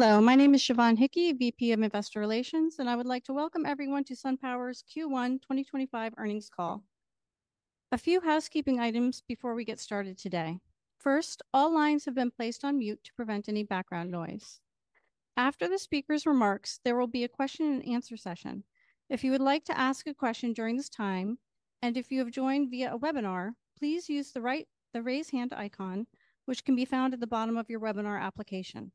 Hello, my name is Sioban Hickie, VP of Investor Relations, and I would like to welcome everyone to SunPower's Q1 2025 earnings call. A few housekeeping items before we get started today. First, all lines have been placed on mute to prevent any background noise. After the speaker's remarks, there will be a question-and-answer session. If you would like to ask a question during this time, and if you have joined via a webinar, please use the raise hand icon, which can be found at the bottom of your webinar application.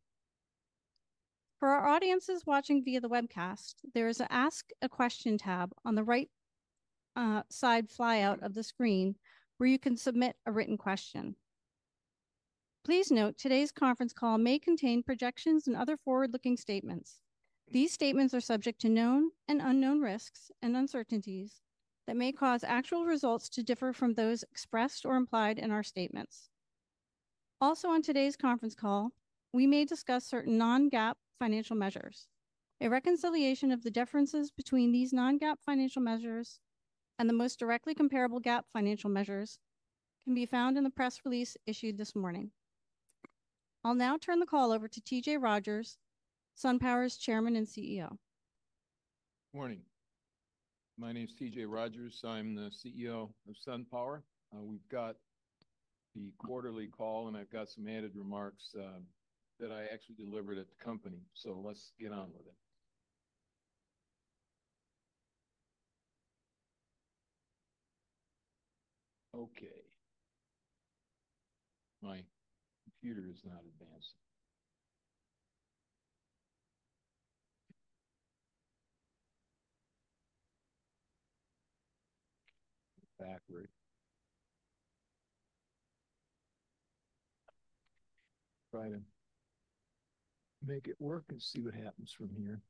For our audiences watching via the webcast, there is an Ask a Question tab on the right-side flyout of the screen where you can submit a written question. Please note today's conference call may contain projections and other forward-looking statements. These statements are subject to known and unknown risks and uncertainties that may cause actual results to differ from those expressed or implied in our statements. Also, on today's conference call, we may discuss certain non-GAAP financial measures. A reconciliation of the differences between these non-GAAP financial measures and the most directly comparable GAAP financial measures can be found in the press release issued this morning. I'll now turn the call over to T.J. Rogers, SunPower's Chairman and CEO. Good morning. My name is T.J. Rogers. I'm the CEO of SunPower. We've got the quarterly call, and I've got some added remarks that I actually delivered at the company. Let's get on with it. Okay. My computer is not advancing. Backward. Try to make it work and see what happens from here.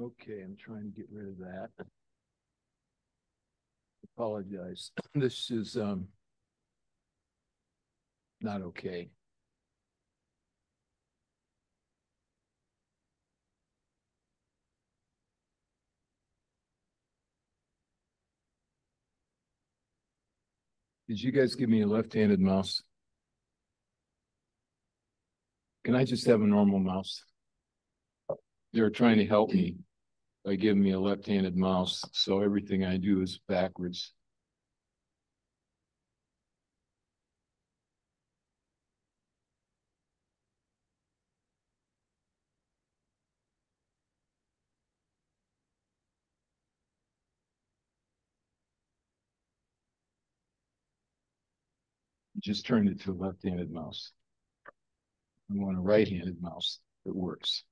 Okay, I'm trying to get rid of that. Apologize. This is not okay. Did you guys give me a left-handed mouse? Can I just have a normal mouse? They're trying to help me by giving me a left-handed mouse, so everything I do is backwards. Just turned it to a left-handed mouse. I want a right-handed mouse that works.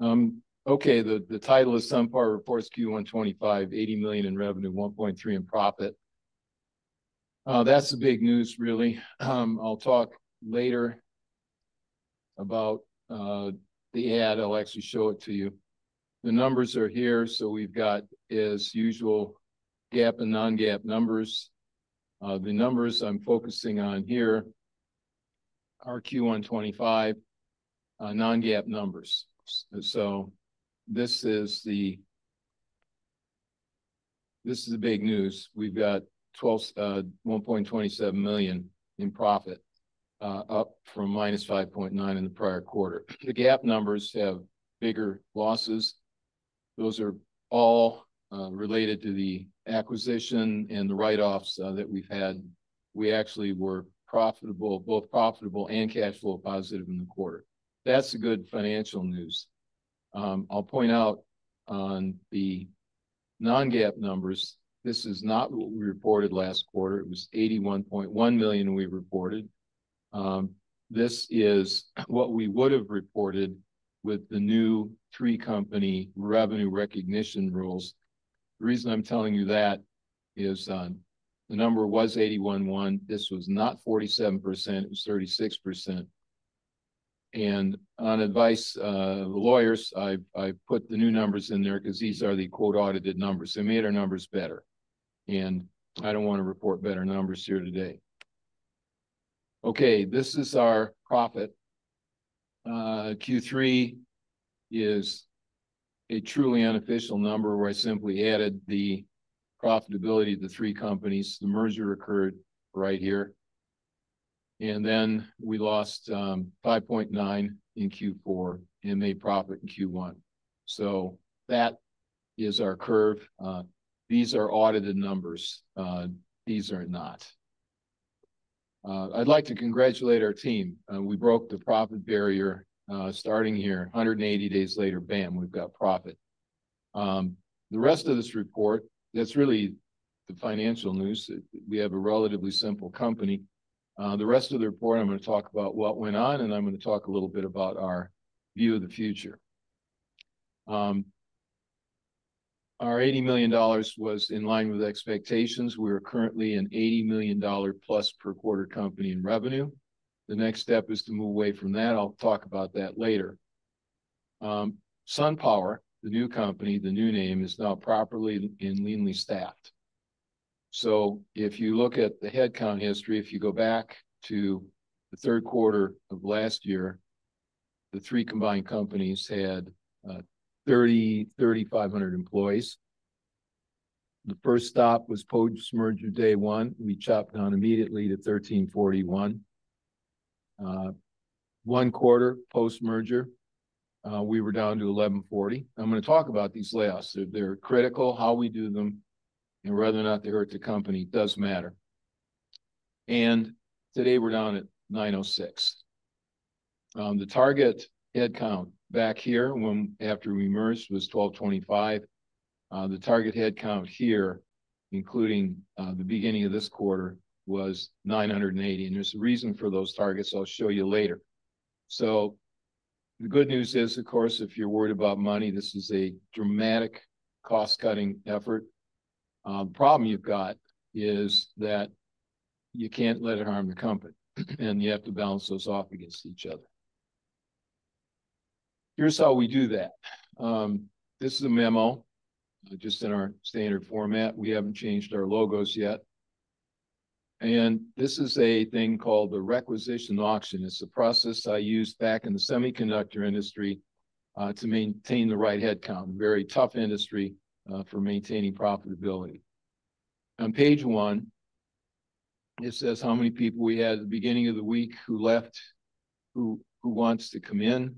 Okay, the title is SunPower Reports Q1 2025, $80 million in revenue, $1.3 million in profit. That's the big news, really. I'll talk later about the ad. I'll actually show it to you. The numbers are here. We've got, as usual, GAAP and non-GAAP numbers. The numbers I'm focusing on here are Q1 2025 non-GAAP numbers. This is the big news. We've got $1.27 million in profit, up from -$5.9 million in the prior quarter. The GAAP numbers have bigger losses. Those are all related to the acquisition and the write-offs that we've had. We actually were profitable, both profitable and cash flow positive in the quarter. That's the good financial news. I'll point out on the non-GAAP numbers, this is not what we reported last quarter. It was $81.1 million we reported. This is what we would have reported with the new three-company revenue recognition rules. The reason I'm telling you that is the number was $81.1 million. This was not 47%. It was 36%. On advice of lawyers, I put the new numbers in there because these are the quote audited numbers. They made our numbers better. I do not want to report better numbers here today. Okay, this is our profit. Q3 is a truly unofficial number where I simply added the profitability of the three companies. The merger occurred right here. We lost $5.9 million in Q4 and made profit in Q1. That is our curve. These are audited numbers. These are not. I would like to congratulate our team. We broke the profit barrier starting here. 180 days later, bam, we have got profit. The rest of this report, that is really the financial news. We have a relatively simple company. The rest of the report, I am going to talk about what went on, and I am going to talk a little bit about our view of the future. Our $80 million was in line with expectations. We are currently an $80+ million per quarter company in revenue. The next step is to move away from that. I'll talk about that later. SunPower, the new company, the new name is now properly and leanly staffed. If you look at the headcount history, if you go back to the third quarter of last year, the three combined companies had 3,500 employees. The first stop was post-merger day one. We chopped down immediately to 1,341. One quarter post-merger, we were down to 1,140. I'm going to talk about these layoffs. They're critical. How we do them and whether or not they hurt the company does matter. Today we're down at 906. The target headcount back here after we merged was 1,225. The target headcount here, including the beginning of this quarter, was 980. There is a reason for those targets I'll show you later. The good news is, of course, if you're worried about money, this is a dramatic cost-cutting effort. The problem you've got is that you can't let it harm the company, and you have to balance those off against each other. Here's how we do that. This is a memo just in our standard format. We haven't changed our logos yet. This is a thing called the requisition auction. It's a process I used back in the semiconductor industry to maintain the right headcount, a very tough industry for maintaining profitability. On page one, it says how many people we had at the beginning of the week who left, who wants to come in,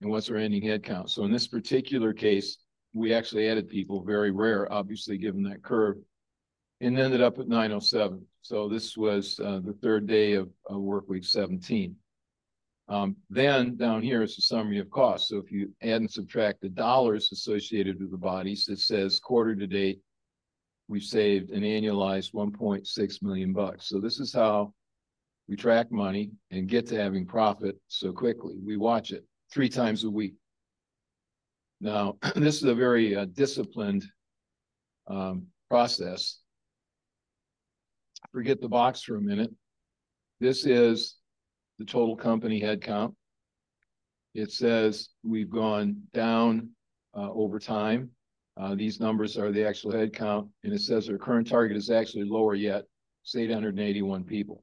and what's our ending headcount. In this particular case, we actually added people, very rare, obviously, given that curve, and ended up at 907. This was the third day of workweek 17. Down here is a summary of costs. If you add and subtract the dollars associated with the bodies, it says quarter to date, we've saved and annualized $1.6 million. This is how we track money and get to having profit so quickly. We watch it three times a week. This is a very disciplined process. Forget the box for a minute. This is the total company headcount. It says we've gone down over time. These numbers are the actual headcount. It says our current target is actually lower yet, say, 181 people.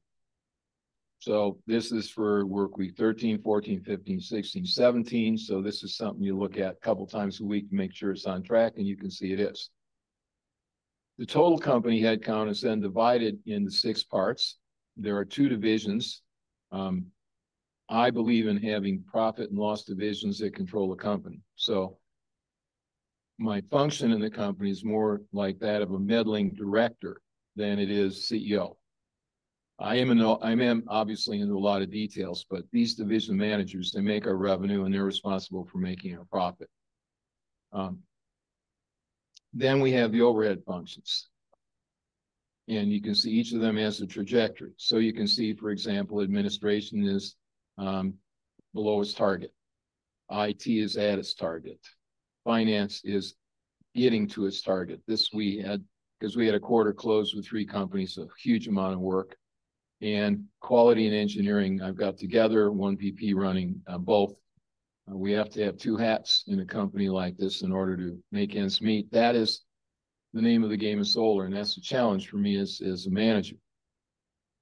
This is for workweek 13, 14, 15, 16, 17. This is something you look at a couple of times a week to make sure it's on track, and you can see it is. The total company headcount is then divided into six parts. There are two divisions. I believe in having profit and loss divisions that control the company. My function in the company is more like that of a meddling director than it is CEO. I am obviously into a lot of details, but these division managers, they make our revenue, and they're responsible for making our profit. We have the overhead functions. You can see each of them has a trajectory. You can see, for example, administration is below its target. IT is at its target. Finance is getting to its target. This we had because we had a quarter closed with three companies, a huge amount of work. Quality and engineering, I've got together one VP running both. We have to have two hats in a company like this in order to make ends meet. That is the name of the game of solar. That's the challenge for me as a manager.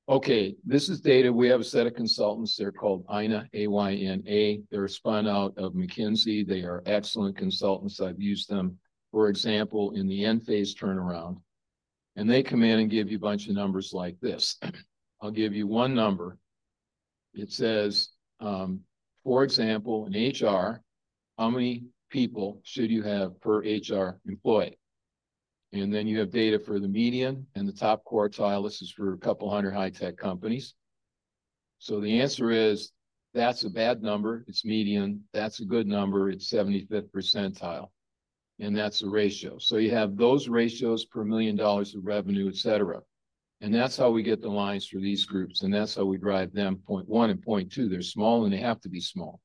Okay, this is data. We have a set of consultants. They're called Ayna, A-Y-N-A. They're a spinout of McKinsey. They are excellent consultants. I've used them, for example, in the Enphase turnaround. They come in and give you a bunch of numbers like this. I'll give you one number. It says, for example, in HR, how many people should you have per HR employee? Then you have data for the median and the top quartile. This is for a couple of hundred high-tech companies. The answer is that's a bad number. It's median. That's a good number. It's 75th percentile. That is a ratio. You have those ratios per million dollars of revenue, etc. That is how we get the lines for these groups. That is how we drive them point one and point two. They are small, and they have to be small.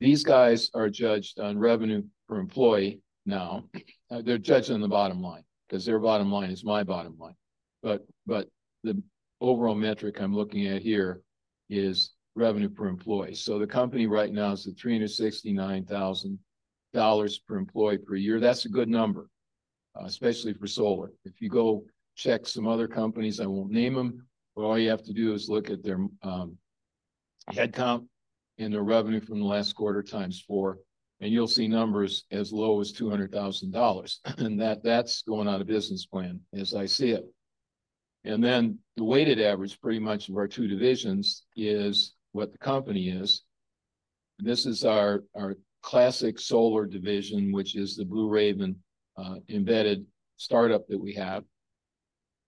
These guys are judged on revenue per employee now. They are judged on the bottom line because their bottom line is my bottom line. The overall metric I am looking at here is revenue per employee. The company right now is at $369,000 per employee per year. That is a good number, especially for solar. If you go check some other companies, I will not name them, but all you have to do is look at their headcount and their revenue from the last quarter times four, and you will see numbers as low as $200,000. That is going on a business plan as I see it. The weighted average pretty much of our two divisions is what the company is. This is our classic solar division, which is the Blue Raven embedded start-up that we have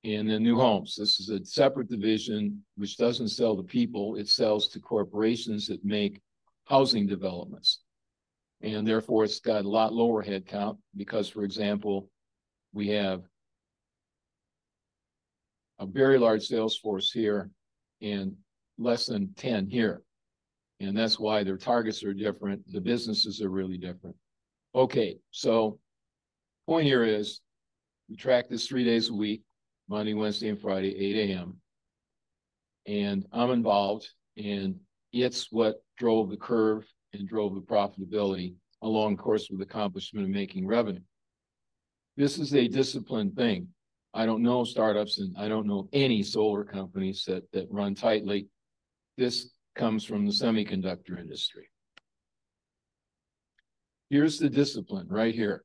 in the new homes. This is a separate division, which does not sell to people. It sells to corporations that make housing developments. Therefore, it has a lot lower headcount because, for example, we have a very large sales force here and less than 10 here. That is why their targets are different. The businesses are really different. The point here is we track this three days a week, Monday, Wednesday, and Friday, 8:00 A.M. I am involved, and it is what drove the curve and drove the profitability along the course of the accomplishment of making revenue. This is a disciplined thing. I do not know start-ups, and I do not know any solar companies that run tightly. This comes from the semiconductor industry. Here's the discipline right here.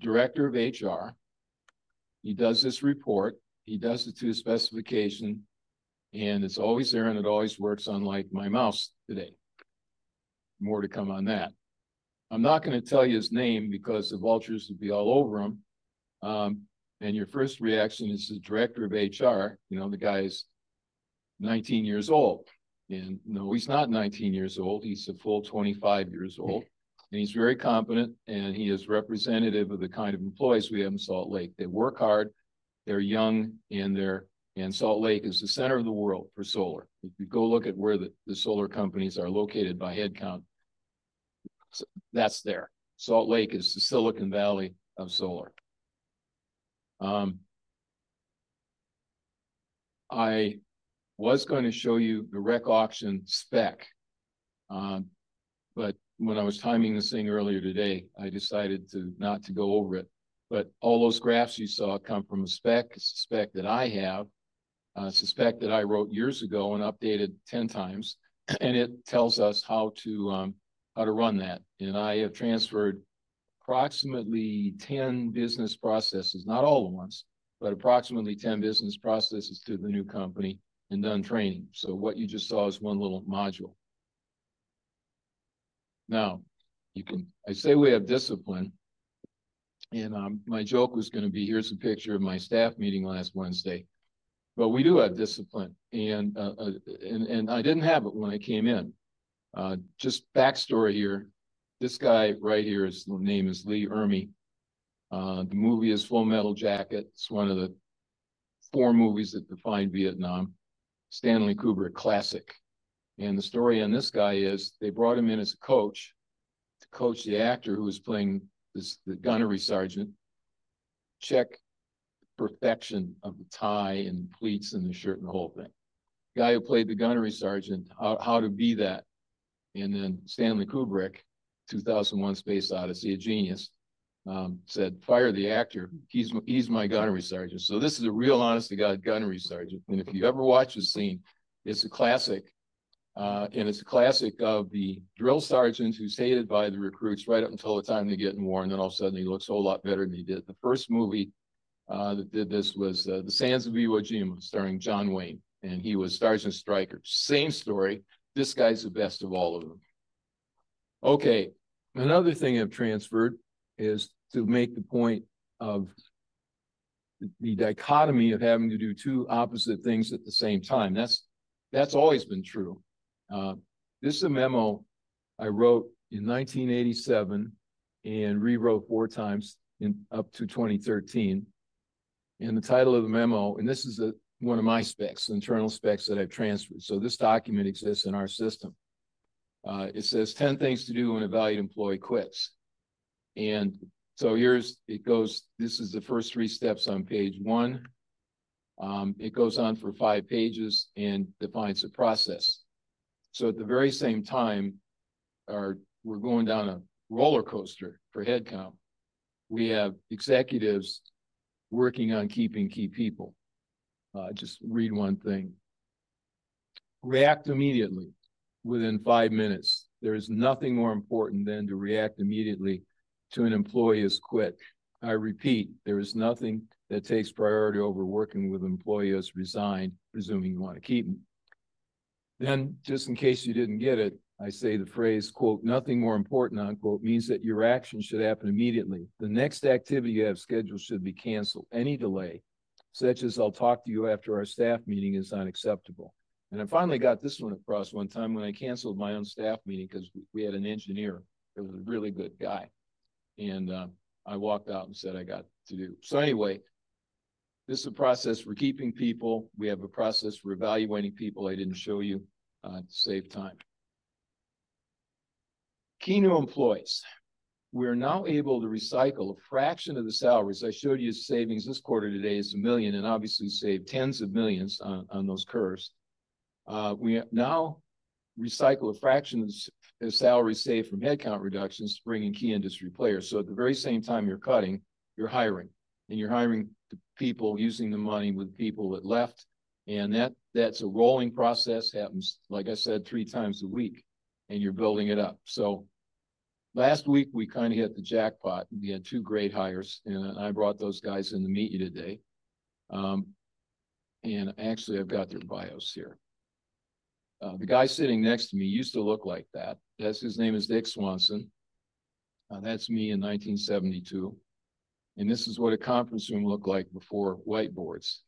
Director of HR. He does this report. He does it to his specification. And it's always there, and it always works unlike my mouse today. More to come on that. I'm not going to tell you his name because the vultures would be all over him. Your first reaction is the Director of HR. The guy is 19 years old. No, he's not 19 years old. He's a full 25 years old. He's very competent, and he is representative of the kind of employees we have in Salt Lake. They work hard. They're young, and Salt Lake is the center of the world for solar. If you go look at where the solar companies are located by headcount, that's there. Salt Lake is the Silicon Valley of solar. I was going to show you the REC auction spec, but when I was timing this thing earlier today, I decided not to go over it. All those graphs you saw come from a spec, a spec that I have, a spec that I wrote years ago and updated 10 times. It tells us how to run that. I have transferred approximately 10 business processes, not all the ones, but approximately 10 business processes to the new company and done training. What you just saw is one little module. I say we have discipline. My joke was going to be, "Here's a picture of my staff meeting last Wednesday." We do have discipline. I did not have it when I came in. Just backstory here. This guy right here, his name is R. Lee Ermey. The movie is Full Metal Jacket. It's one of the four movies that defined Vietnam. Stanley Kubrick, classic. The story on this guy is they brought him in as a coach to coach the actor who was playing the gunnery sergeant, check perfection of the tie and the pleats and the shirt and the whole thing. Guy who played the gunnery sergeant, how to be that. Stanley Kubrick, 2001: A Space Odyssey, a genius, said, "Fire the actor. He's my gunnery sergeant." This is a real honest-to-God gunnery sergeant. If you ever watch this scene, it's a classic. It's a classic of the drill sergeant who's hated by the recruits right up until the time they get in war, and then all of a sudden, he looks a whole lot better than he did. The first movie that did this was The Sands of Iwo Jima starring John Wayne. He was Sergeant Stryker. Same story. This guy's the best of all of them. Okay. Another thing I've transferred is to make the point of the dichotomy of having to do two opposite things at the same time. That's always been true. This is a memo I wrote in 1987 and rewrote four times up to 2013. The title of the memo, and this is one of my specs, internal specs that I've transferred. This document exists in our system. It says, "10 Things to Do When a Valued Employee Quits." Here's how it goes. This is the first three steps on page one. It goes on for five pages and defines a process. At the very same time, we're going down a roller coaster for headcount. We have executives working on keeping key people. Just read one thing. React immediately within five minutes. There is nothing more important than to react immediately to an employee has quit. I repeat, there is nothing that takes priority over working with employees resigned, presuming you want to keep them. Just in case you did not get it, I say the phrase, "Nothing more important," means that your action should happen immediately. The next activity you have scheduled should be canceled. Any delay, such as, "I'll talk to you after our staff meeting," is unacceptable. I finally got this one across one time when I canceled my own staff meeting because we had an engineer who was a really good guy. I walked out and said, "I got to do." Anyway, this is a process for keeping people. We have a process for evaluating people. I did not show you to save time. Key new employees. We are now able to recycle a fraction of the salaries. I showed you savings this quarter today is $1 million and obviously saved tens of millions on those curves. We now recycle a fraction of salaries saved from headcount reductions bringing key industry players. At the very same time you're cutting, you're hiring. And you're hiring people using the money with people that left. That's a rolling process. Happens, like I said, three times a week. You're building it up. Last week, we kind of hit the jackpot. We had two great hires. I brought those guys in to meet you today. Actually, I've got their bios here. The guy sitting next to me used to look like that. His name is Dick Swanson. That's me in 1972. This is what a conference room looked like before whiteboards.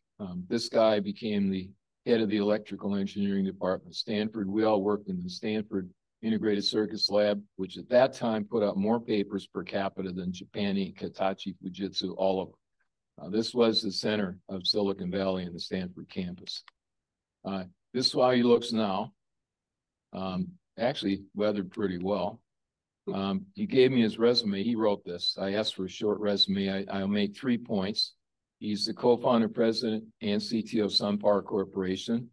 This guy became the head of the Electrical Engineering Department at Stanford. We all worked in the Stanford Integrated Circuits Lab, which at that time put out more papers per capita than Japanese, Hitachi, Fujitsu, all of them. This was the center of Silicon Valley and the Stanford campus. This is how he looks now. Actually weathered pretty well. He gave me his resume. He wrote this. I asked for a short resume. I'll make three points. He's the Co-founder, President, and CTO of SunPower Corporation.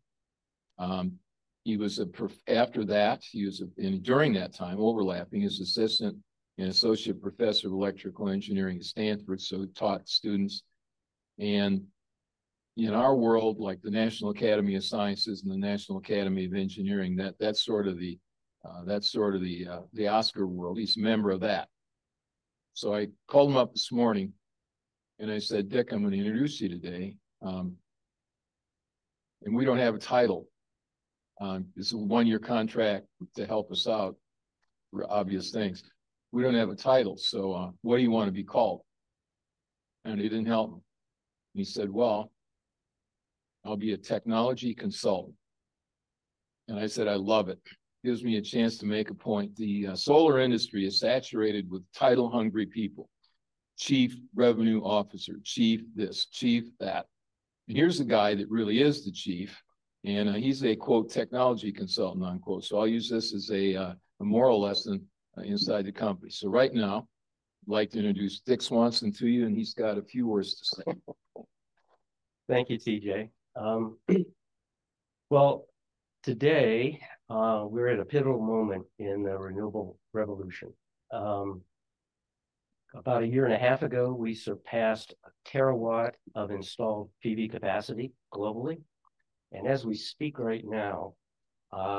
After that, he was, and during that time, overlapping, his assistant and associate professor of electrical engineering at Stanford. He taught students. In our world, like the National Academy of Sciences and the National Academy of Engineering, that's sort of the Oscar world. He's a member of that. I called him up this morning and I said, "Dick, I'm going to introduce you today. We don't have a title. It's a one-year contract to help us out for obvious things. We don't have a title. What do you want to be called?" He didn't help me. He said, "Well, I'll be a technology consultant." I said, "I love it. Gives me a chance to make a point. The solar industry is saturated with title-hungry people. Chief Revenue Officer, Chief this, Chief that. Here's a guy that really is the Chief. And he's a quote technology consultant," unquote. I'll use this as a moral lesson inside the company. Right now, I'd like to introduce Dick Swanson to you, and he's got a few words to say. Thank you, T.J. Today, we're at a pivotal moment in the renewable revolution. About a year and a half ago, we surpassed 1 TW of installed PV capacity globally. As we speak right now,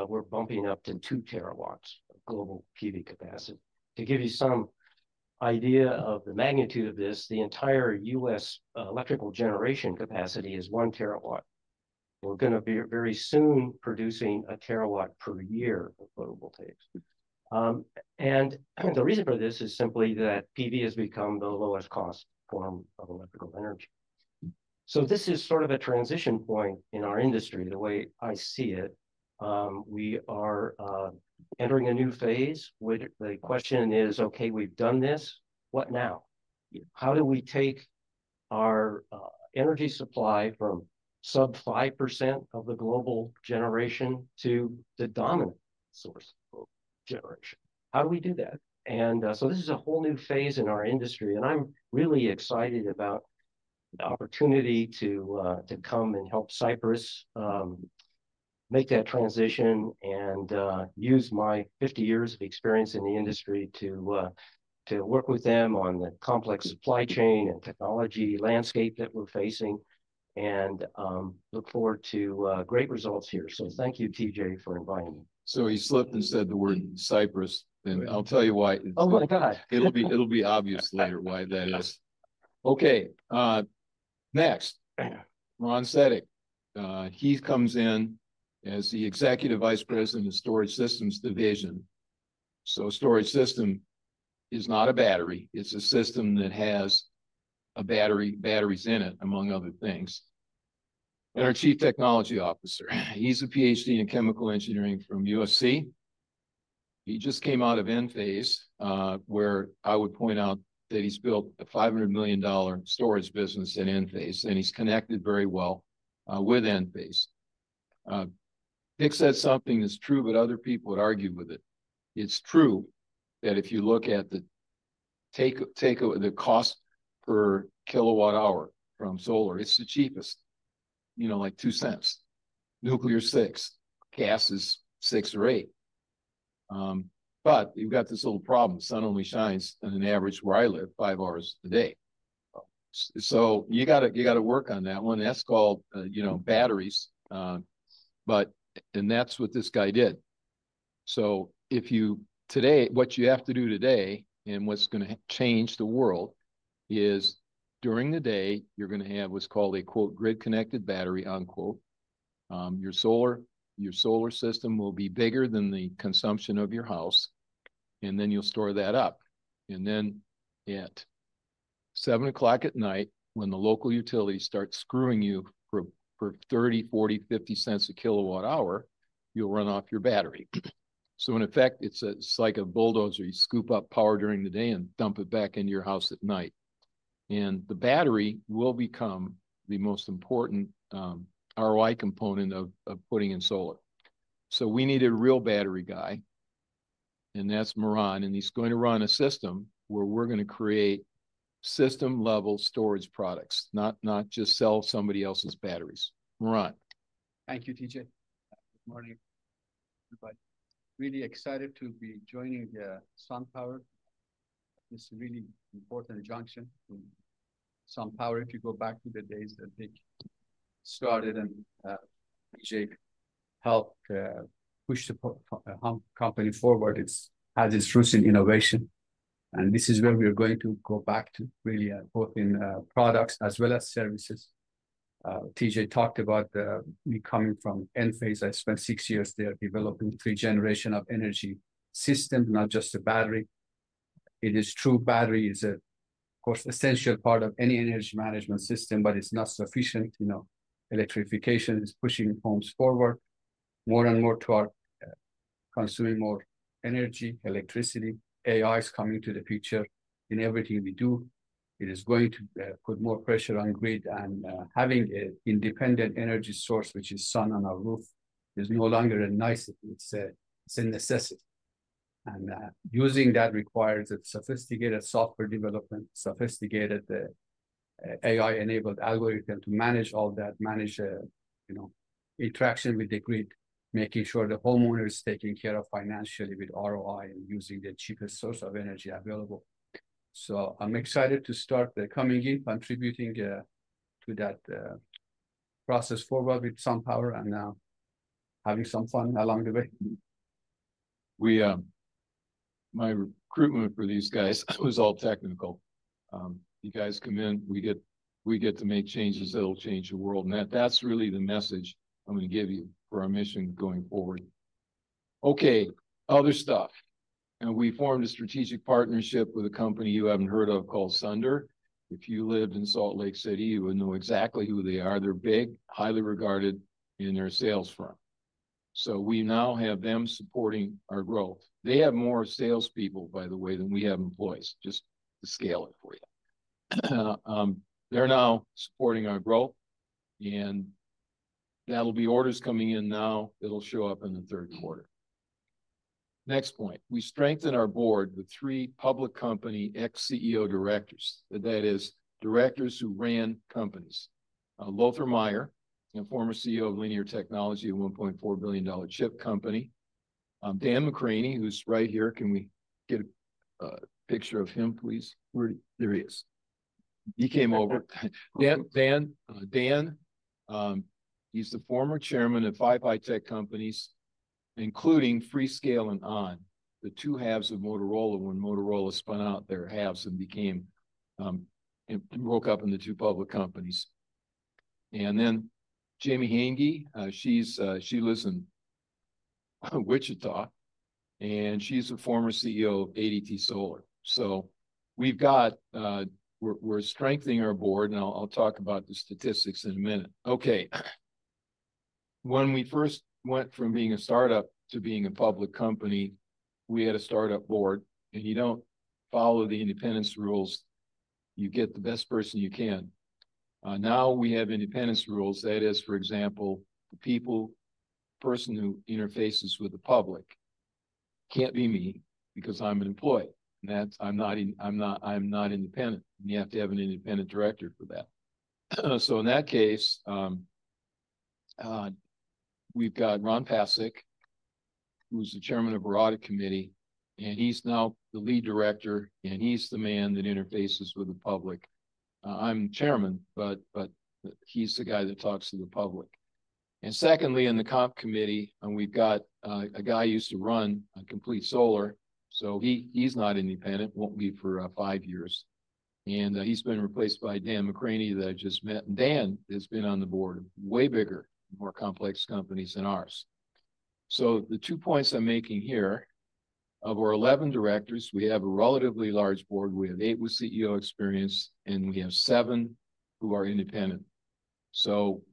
we're bumping up to 2 TW of global PV capacity. To give you some idea of the magnitude of this, the entire U.S. electrical generation capacity is 1 TW. We're going to be very soon producing 1 TW per year of photovoltaics. The reason for this is simply that PV has become the lowest cost form of electrical energy. This is sort of a transition point in our industry, the way I see it. We are entering a new phase. The question is, "Okay, we've done this. What now? How do we take our energy supply from sub-5% of the global generation to the dominant source of generation? How do we do that?" This is a whole new phase in our industry. I'm really excited about the opportunity to come and help Cypress make that transition and use my 50 years of experience in the industry to work with them on the complex supply chain and technology landscape that we're facing and look forward to great results here. Thank you, T.J., for inviting me. He slipped and said the word Cypress. I'll tell you why. Oh, my God. It'll be obvious later why that is. Okay. Next, Ron Settick. He comes in as the Executive Vice President of Storage Systems Division. Storage system is not a battery. It's a system that has batteries in it, among other things. Our Chief Technology Officer, he's a PhD in chemical engineering from USC. He just came out of Enphase, where I would point out that he's built a $500 million storage business at Enphase. He's connected very well with Enphase. Dick said something that's true, but other people would argue with it. It's true that if you look at the cost per kilowatt-hour from solar, it's the cheapest, like $0.02. Nuclear's $0.06. Gas is $0.06 or $0.08. You've got this little problem. Sun only shines on an average where I live five hours a day. You got to work on that one. That's called batteries. That's what this guy did. Today, what you have to do today and what's going to change the world is during the day, you're going to have what's called a "grid-connected battery". Your solar system will be bigger than the consumption of your house. You'll store that up. At 7:00 P.M., when the local utility starts screwing you for $0.30, $0.40, $0.50 a kilowatt-hour, you'll run off your battery. In effect, it's like a bulldozer. You scoop up power during the day and dump it back into your house at night. The battery will become the most important ROI component of putting in solar. We need a real battery guy. That's Moran. He's going to run a system where we're going to create system-level storage products, not just sell somebody else's batteries. Moran. Thank you, T.J. Good morning. Goodbye. Really excited to be joining SunPower. It's a really important junction. SunPower, if you go back to the days that Dick started and T.J. helped push the company forward, it has its roots in innovation This is where we are going to go back to, really, both in products as well as services. T.J. talked about me coming from Enphase. I spent six years there developing three-generation of energy systems, not just a battery. It is true. Battery is a, of course, essential part of any energy management system, but it's not sufficient. Electrification is pushing homes forward more and more toward consuming more energy, electricity. AI is coming to the future in everything we do. It is going to put more pressure on grid. Having an independent energy source, which is sun on our roof, is no longer a nice thing. It's a necessity. Using that requires sophisticated software development, sophisticated AI-enabled algorithm to manage all that, manage interaction with the grid, making sure the homeowner is taken care of financially with ROI and using the cheapest source of energy available. I'm excited to start coming in, contributing to that process forward with SunPower and having some fun along the way. My recruitment for these guys was all technical. You guys come in, we get to make changes that will change the world. That's really the message I'm going to give you for our mission going forward. Other stuff. We formed a strategic partnership with a company you haven't heard of called Sunder. If you lived in Salt Lake City, you would know exactly who they are. They're big, highly regarded in their sales firm. We now have them supporting our growth. They have more salespeople, by the way, than we have employees, just to scale it for you. They're now supporting our growth. That'll be orders coming in now. It'll show up in the third quarter. Next point. We strengthen our Board with three public company ex-CEO Directors. That is, Directors who ran companies. Lothar Maier, a former CEO of Linear Technology, a $1.4 billion chip company. Dan McCranie, who's right here. Can we get a picture of him, please? There he is. He came over. Dan is the former Chairman of five high-tech companies, including Freescale and ON, the two halves of Motorola when Motorola spun out their halves and broke up into two public companies. Jamie Haenggi. She lives in Wichita. She's a former CEO of ADT Solar. We're strengthening our Board. I'll talk about the statistics in a minute. Okay. When we first went from being a start-up to being a public company, we had a start-up board. You do not follow the independence rules. You get the best person you can. Now we have independence rules. That is, for example, the person who interfaces with the public cannot be me because I am an employee. I am not independent. You have to have an independent Director for that. In that case, we have Ron Pasek, who is the Chairman of our audit committee. He is now the Lead Director. He is the man that interfaces with the public. I am the Chairman, but he is the guy that talks to the public. Secondly, in the comp committee, we have a guy who used to run on Complete Solaria. He is not independent. He will not be for five years. He has been replaced by Dan McCranie that I just met. Dan has been on the Board of way bigger, more complex companies than ours. The two points I'm making here, of our 11 Directors, we have a relatively large Board. We have eight with CEO experience. We have seven who are independent.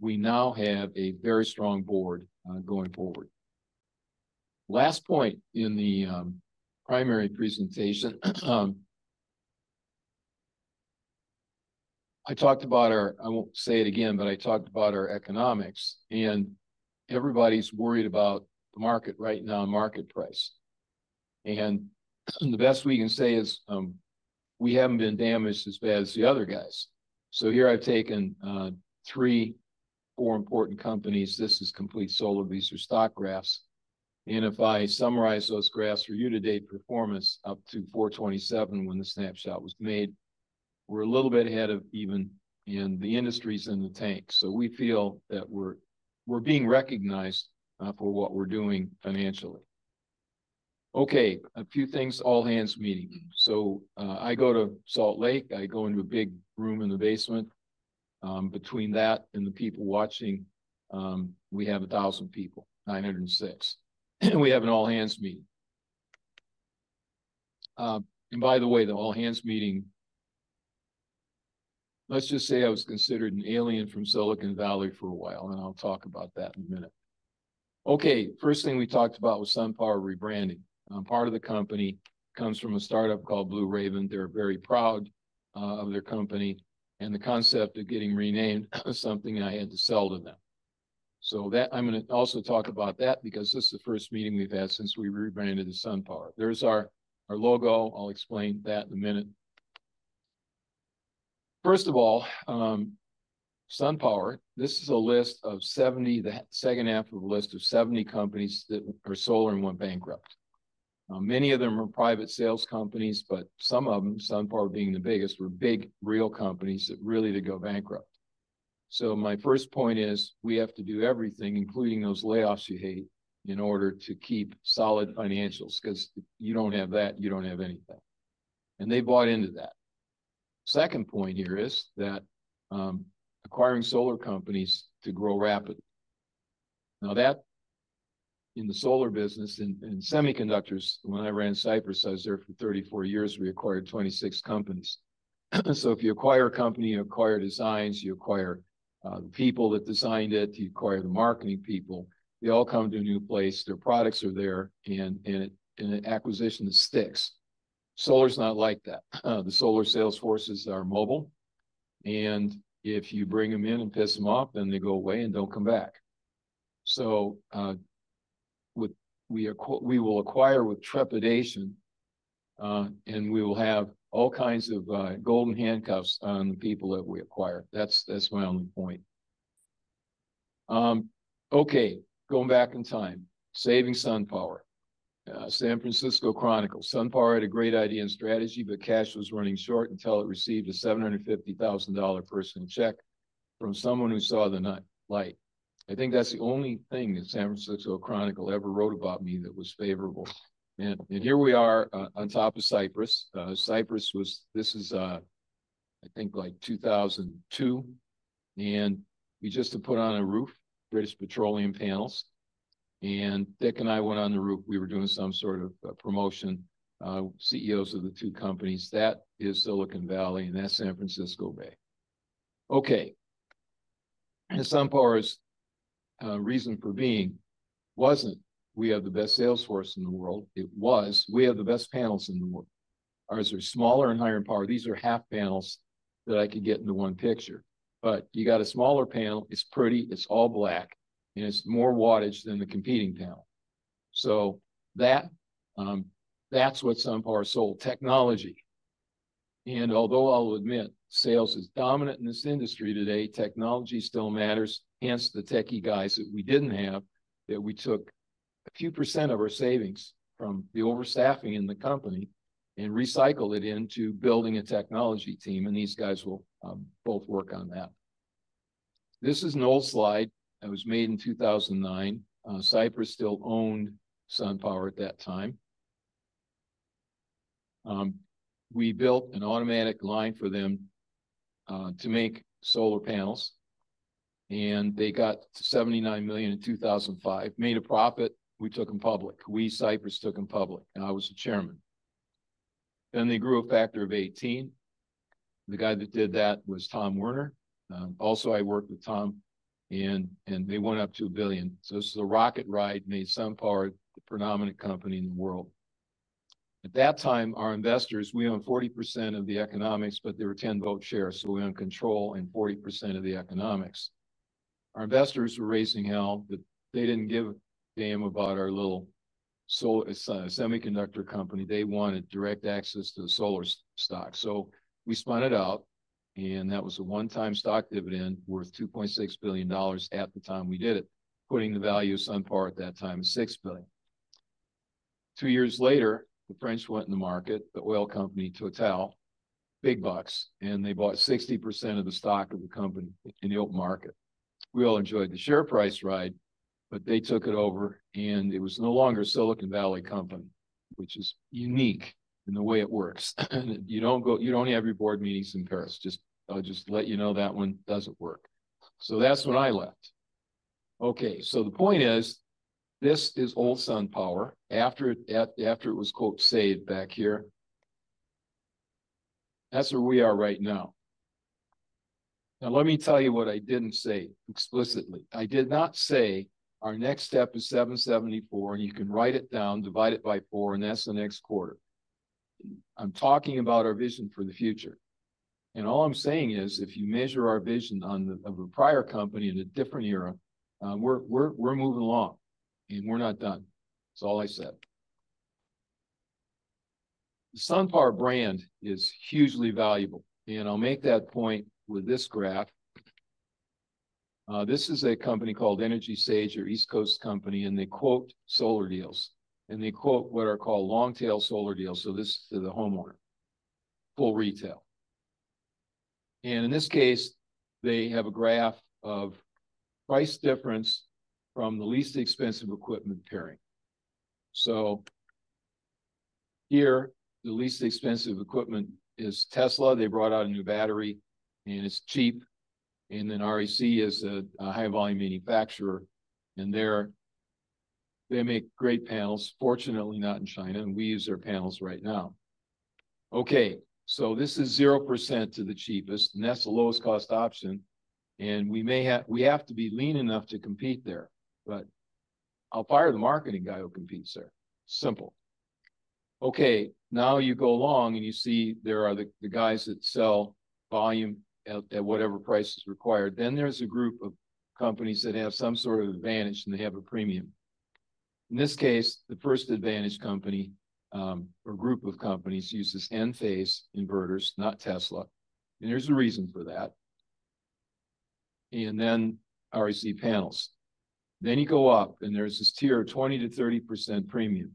We now have a very strong Board going forward. Last point in the primary presentation. I talked about our—I won't say it again, but I talked about our economics. Everybody's worried about the market right now, market price. The best we can say is we haven't been damaged as bad as the other guys. Here I've taken three, four important companies. This is Complete Solaria. These are stock graphs. If I summarize those graphs for you today, performance up to 4/27 when the snapshot was made. We're a little bit ahead of even the industries in the tank. We feel that we're being recognized for what we're doing financially. Okay. A few things, all-hands meeting. I go to Salt Lake. I go into a big room in the basement. Between that and the people watching, we have 1,000 people, 906. We have an all-hands meeting. By the way, the all-hands meeting, let's just say I was considered an alien from Silicon Valley for a while. I'll talk about that in a minute. Okay. First thing we talked about was SunPower rebranding. Part of the company comes from a start-up called Blue Raven. They're very proud of their company. The concept of getting renamed was something I had to sell to them. I'm going to also talk about that because this is the first meeting we've had since we rebranded as SunPower. There's our logo. I'll explain that in a minute. First of all, SunPower, this is a list of 70, the second half of a list of 70 companies that are solar and went bankrupt. Many of them are private sales companies, but some of them, SunPower being the biggest, were big real companies that really did go bankrupt. My first point is we have to do everything, including those layoffs you hate, in order to keep solid financials because if you do not have that, you do not have anything. They bought into that. Second point here is that acquiring solar companies to grow rapidly. Now, that in the solar business and semiconductors, when I ran Cypress, I was there for 34 years. We acquired 26 companies. If you acquire a company, you acquire designs, you acquire the people that designed it, you acquire the marketing people, they all come to a new place, their products are there, and acquisition sticks. Solar is not like that. The solar sales forces are mobile. If you bring them in and piss them off, then they go away and don't come back. We will acquire with trepidation. We will have all kinds of golden handcuffs on the people that we acquire. That's my only point. Okay. Going back in time, saving SunPower. San Francisco Chronicle, SunPower had a great idea and strategy, but cash was running short until it received a $750,000 personal check from someone who saw the light. I think that's the only thing that San Francisco Chronicle ever wrote about me that was favorable. Here we are on top of Cypress. Cypress was, this is, I think, like 2002. We just had put on a roof, British Petroleum panels. Dick and I went on the roof. We were doing some sort of promotion. CEOs of the two companies. That is Silicon Valley. That is San Francisco Bay. Okay. SunPower's reason for being was not we have the best sales force in the world. It was we have the best panels in the world. Ours are smaller and higher in power. These are half panels that I could get into one picture. You got a smaller panel. It is pretty. It is all black. It is more wattage than the competing panel. That is what SunPower sold, technology. Although I will admit sales is dominant in this industry today, technology still matters. Hence the techie guys that we did not have, that we took a few percent of our savings from the overstaffing in the company and recycled it into building a technology team. These guys will both work on that. This is an old slide. It was made in 2009. Cypress still owned SunPower at that time. We built an automatic line for them to make solar panels. They got to $79 million in 2005. Made a profit. We took them public. We, Cypress, took them public. I was the Chairman. They grew a factor of 18. The guy that did that was Tom Werner. Also, I worked with Tom. They went up to $1 billion. This is a rocket ride to make SunPower the predominant company in the world. At that time, our investors, we owned 40% of the economics, but there were 10 vote shares. We owned control and 40% of the economics. Our investors were raising hell. They didn't give a damn about our little semiconductor company. They wanted direct access to the solar stock. We spun it out. That was a one-time stock dividend worth $2.6 billion at the time we did it, putting the value of SunPower at that time at $6 billion. Two years later, the French went in the market, the oil company Total, big bucks. They bought 60% of the stock of the company in the open market. We all enjoyed the share price ride. They took it over. It was no longer a Silicon Valley company, which is unique in the way it works. You don't have your Board meetings in Paris. Just let you know that one doesn't work. That's when I left. Okay. The point is, this is old SunPower. After it was "saved" back here, that's where we are right now. Let me tell you what I didn't say explicitly. I did not say our next step is 774. You can write it down, divide it by four. That's the next quarter. I'm talking about our vision for the future. All I'm saying is if you measure our vision of a prior company in a different era, we're moving along. We're not done. That's all I said. The SunPower brand is hugely valuable. I'll make that point with this graph. This is a company called EnergySage, their East Coast company. They quote solar deals. They quote what are called long-tail solar deals. This is to the homeowner, full retail. In this case, they have a graph of price difference from the least expensive equipment pairing. Here, the least expensive equipment is Tesla. They brought out a new battery. It's cheap. REC is a high-volume manufacturer. They make great panels. Fortunately, not in China. We use their panels right now. This is 0% to the cheapest. That's the lowest cost option. We have to be lean enough to compete there. I'll fire the marketing guy who competes there. Simple. You go along and you see there are the guys that sell volume at whatever price is required. There's a group of companies that have some sort of advantage. They have a premium. In this case, the first advantage company or group of companies uses Enphase inverters, not Tesla. There's a reason for that. REC panels. Then you go up. There is this tier of 20%-30% premium.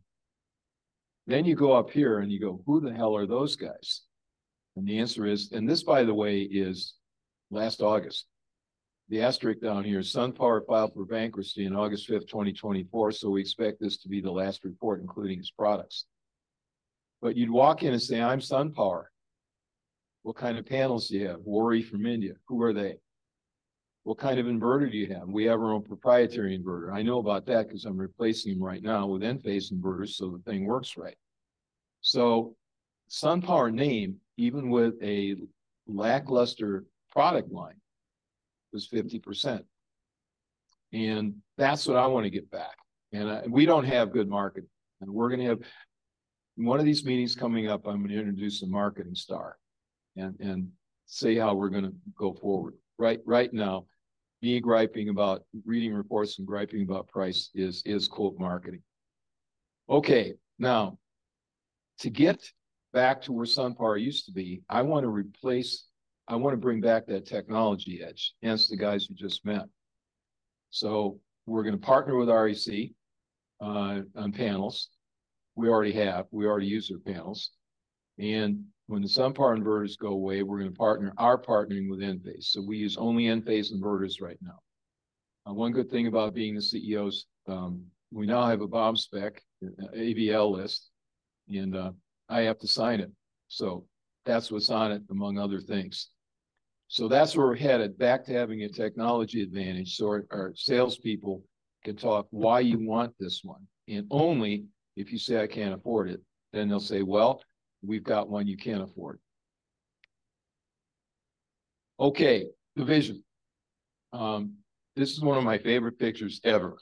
You go up here. You go, "Who the hell are those guys?" The answer is, and this, by the way, is last August. The asterisk down here, SunPower filed for bankruptcy on August 5th, 2024. We expect this to be the last report, including its products. You would walk in and say, "I'm SunPower. What kind of panels do you have?" Worry from India. Who are they? What kind of inverter do you have? We have our own proprietary inverter. I know about that because I'm replacing them right now with Enphase inverters so the thing works right. SunPower name, even with a lackluster product line, was 50%. That is what I want to get back. We do not have good marketing. We're going to have one of these meetings coming up. I'm going to introduce a marketing star and say how we're going to go forward. Right now, me griping about reading reports and griping about price is quote marketing. Okay. To get back to where SunPower used to be, I want to replace, I want to bring back that technology edge against the guys we just met. We're going to partner with REC on panels. We already have. We already use their panels. When the SunPower inverters go away, we're going to partner. We're partnering with Enphase. We use only Enphase inverters right now. One good thing about being the CEO is we now have a Bombspec ABL list. I have to sign it. That's what's on it, among other things. That's where we're headed. Back to having a technology advantage so our salespeople can talk why you want this one. And only if you say, "I can't afford it," then they'll say, "Well, we've got one you can't afford." Okay. The vision. This is one of my favorite pictures ever.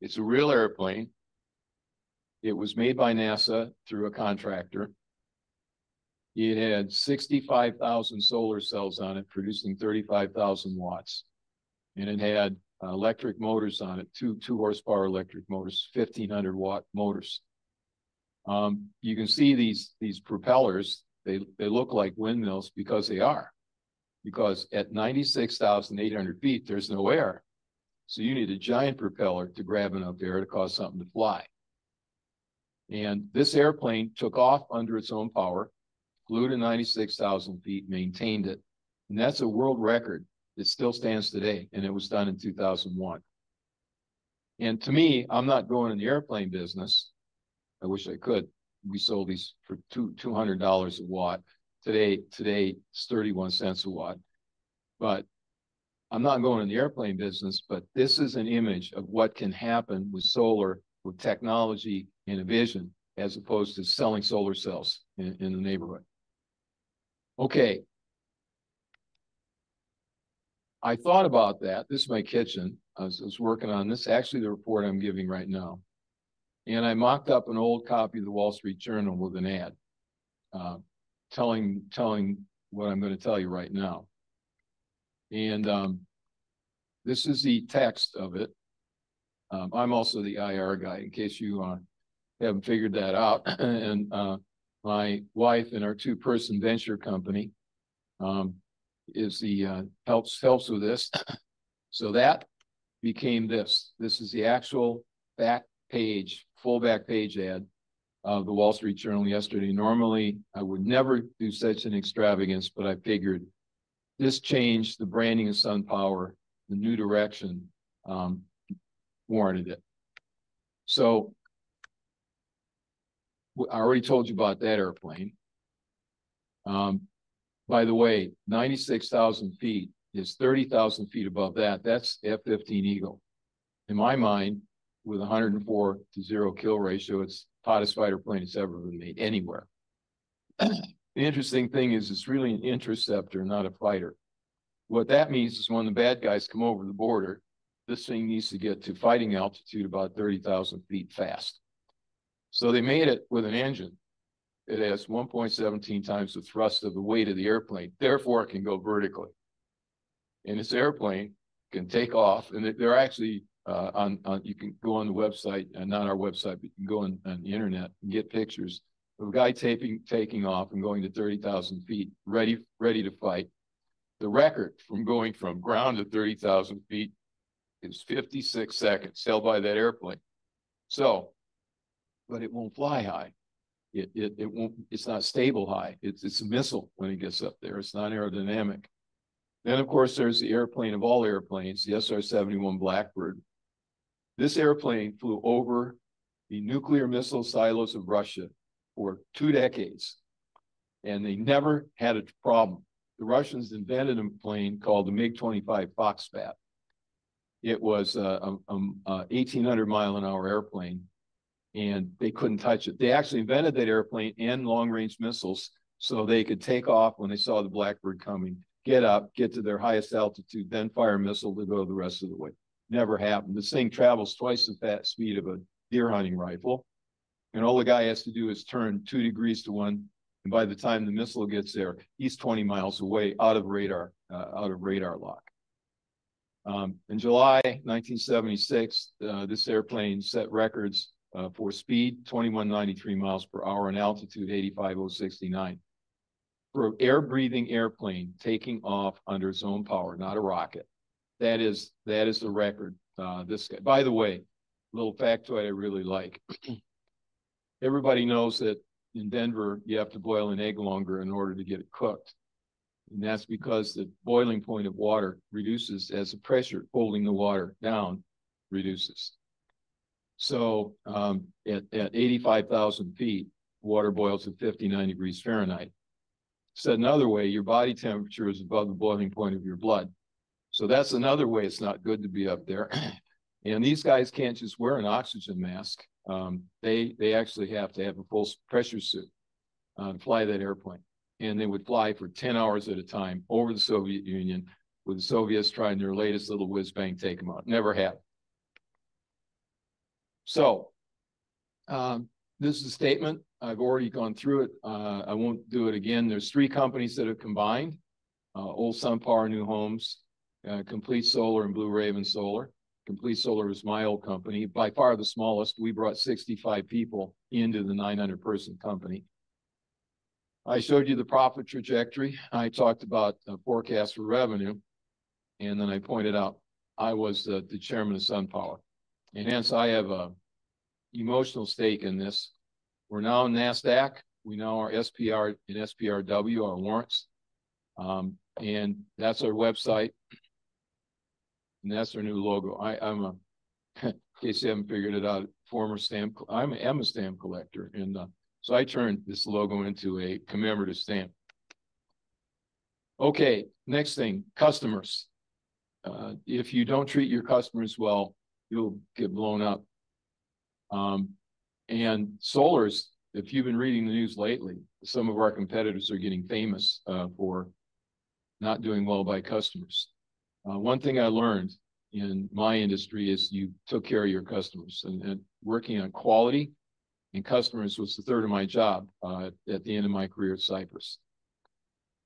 It's a real airplane. It was made by NASA through a contractor. It had 65,000 solar cells on it, producing 35,000 W. And it had electric motors on it, two horsepower electric motors, 1,500 W motors. You can see these propellers. They look like windmills because they are. Because at 96,800 ft, there's no air. So you need a giant propeller to grab enough air to cause something to fly. And this airplane took off under its own power, flew to 96,000 ft, maintained it. And that's a world record that still stands today. And it was done in 2001. To me, I'm not going in the airplane business. I wish I could. We sold these for $200 a watt. Today, it's $0.31 a watt. I'm not going in the airplane business. This is an image of what can happen with solar, with technology, and a vision as opposed to selling solar cells in the neighborhood. Okay. I thought about that. This is my kitchen. I was working on this, actually, the report I'm giving right now. I mocked up an old copy of The Wall Street Journal with an ad telling what I'm going to tell you right now. This is the text of it. I'm also the IR guy in case you haven't figured that out. My wife and our two-person venture company helps with this. That became this. This is the actual full back page ad of The Wall Street Journal yesterday. Normally, I would never do such an extravagance. I figured this change, the branding of SunPower, the new direction warranted it. I already told you about that airplane. By the way, 96,000 ft is 30,000 ft above that. That's F-15 Eagle. In my mind, with a 104 to 0 kill ratio, it's the hottest fighter plane that's ever been made anywhere. The interesting thing is it's really an interceptor, not a fighter. What that means is when the bad guys come over the border, this thing needs to get to fighting altitude about 30,000 ft fast. They made it with an engine. It has 1.17x the thrust of the weight of the airplane. Therefore, it can go vertically. This airplane can take off. They're actually on, you can go on the website, not our website, but you can go on the Internet and get pictures of a guy taking off and going to 30,000 ft, ready to fly. The record from going from ground to 30,000 ft is 56 seconds, held by that airplane. It won't fly high. It's not stable high. It's a missile when it gets up there. It's not aerodynamic. Of course, there's the airplane of all airplanes, the SR-71 Blackbird. This airplane flew over the nuclear missile silos of Russia for two decades. They never had a problem. The Russians invented a plane called the MiG-25 Foxbat. It was an 1,800 mi an hour airplane. They couldn't touch it. They actually invented that airplane and long-range missiles so they could take off when they saw the Blackbird coming, get up, get to their highest altitude, then fire a missile to go the rest of the way. Never happened. This thing travels 2x the speed of a deer hunting rifle. All the guy has to do is turn two degrees to one. By the time the missile gets there, he's 20 mi away out of radar lock. In July 1976, this airplane set records for speed, 2,193 mi per hour, and altitude 8,569. For an air-breathing airplane taking off under its own power, not a rocket. That is the record. By the way, a little fact that I really like. Everybody knows that in Denver, you have to boil an egg longer in order to get it cooked. That's because the boiling point of water reduces as the pressure holding the water down reduces. At 85,000 ft, water boils at 59 degrees Fahrenheit. Said another way, your body temperature is above the boiling point of your blood. That's another way it's not good to be up there. These guys can't just wear an oxygen mask. They actually have to have a full pressure suit to fly that airplane. They would fly for 10 hours at a time over the Soviet Union with the Soviets trying their latest little wiz-bang take them out. Never happened. This is a statement. I've already gone through it. I won't do it again. There are three companies that have combined: Old SunPower, New Homes, Complete Solaria, and Blue Raven Solar. Complete Solaria was my old company. By far the smallest. We brought 65 people into the 900-person company. I showed you the profit trajectory. I talked about a forecast for revenue. I pointed out I was the Chairman of SunPower. Hence, I have an emotional stake in this. We're now on Nasdaq. We now are SPR and SPRW, our warrants. That's our website. That's our new logo. I'm a, in case you haven't figured it out, former stamp collector. I'm a stamp collector. I turned this logo into a commemorative stamp. Next thing, customers. If you don't treat your customers well, you'll get blown up. In solar, if you've been reading the news lately, some of our competitors are getting famous for not doing well by customers. One thing I learned in my industry is you took care of your customers. Working on quality and customers was the third of my job at the end of my career at Cypress.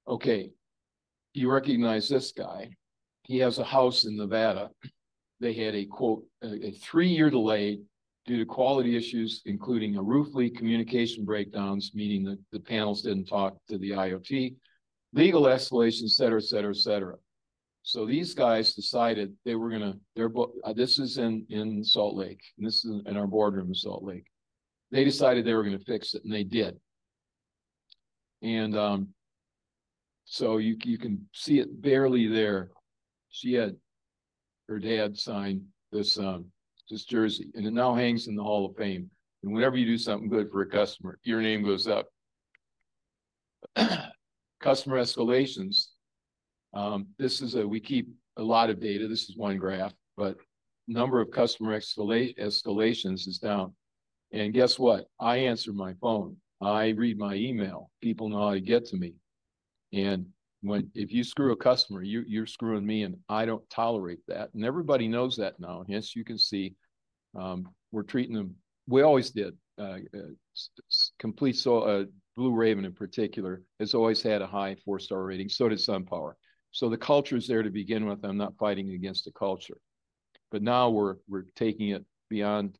Okay. You recognize this guy. He has a house in Nevada. They had a "three-year delay" due to quality issues, including roof leak, communication breakdowns, meaning the panels did not talk to the IoT, legal escalations, etc., etc., etc. These guys decided they were going to—this is in Salt Lake. This is in our boardroom in Salt Lake. They decided they were going to fix it. They did. You can see it barely there. She had her dad sign this jersey. It now hangs in the Hall of Fame. Whenever you do something good for a customer, your name goes up. Customer escalations. We keep a lot of data. This is one graph. The number of customer escalations is down. Guess what? I answer my phone. I read my email. People know how to get to me. If you screw a customer, you're screwing me. I don't tolerate that. Everybody knows that now. Hence, you can see we're treating them—we always did. Complete Solaria, Blue Raven in particular, has always had a high four-star rating. So did SunPower. The culture's there to begin with. I'm not fighting against the culture. Now we're taking it beyond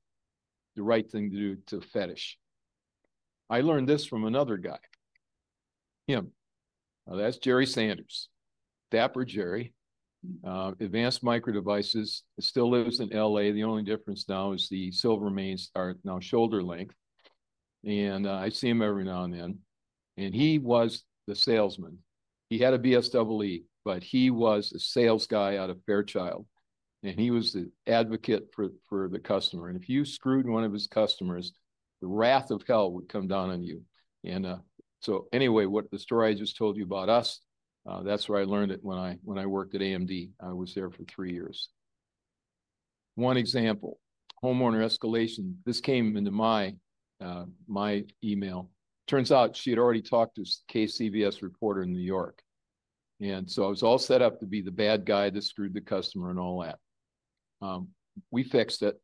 the right thing to do to fetish. I learned this from another guy. Him. That's Jerry Sanders. Dapper Jerry. Advanced Micro Devices. Still lives in L.A. The only difference now is the silver mains are now shoulder length. I see him every now and then. He was the salesman. He had a BSW. He was a sales guy out of Fairchild. He was the advocate for the customer. If you screwed one of his customers, the wrath of hell would come down on you. Anyway, what the story I just told you about us, that's where I learned it when I worked at AMD. I was there for three years. One example, homeowner escalation. This came into my email. Turns out she had already talked to this KCVS reporter in New York. I was all set up to be the bad guy that screwed the customer and all that. We fixed it.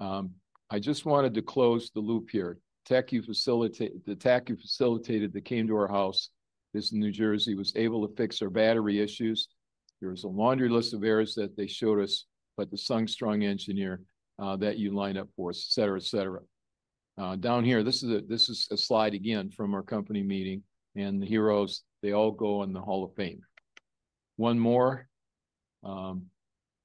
I just wanted to close the loop here. The tech who facilitated that came to our house in New Jersey, was able to fix our battery issues. There was a laundry list of errors that they showed us, but the sung-strung engineer that you line up for, etc., etc. Down here, this is a slide again from our company meeting. The heroes, they all go in the Hall of Fame. One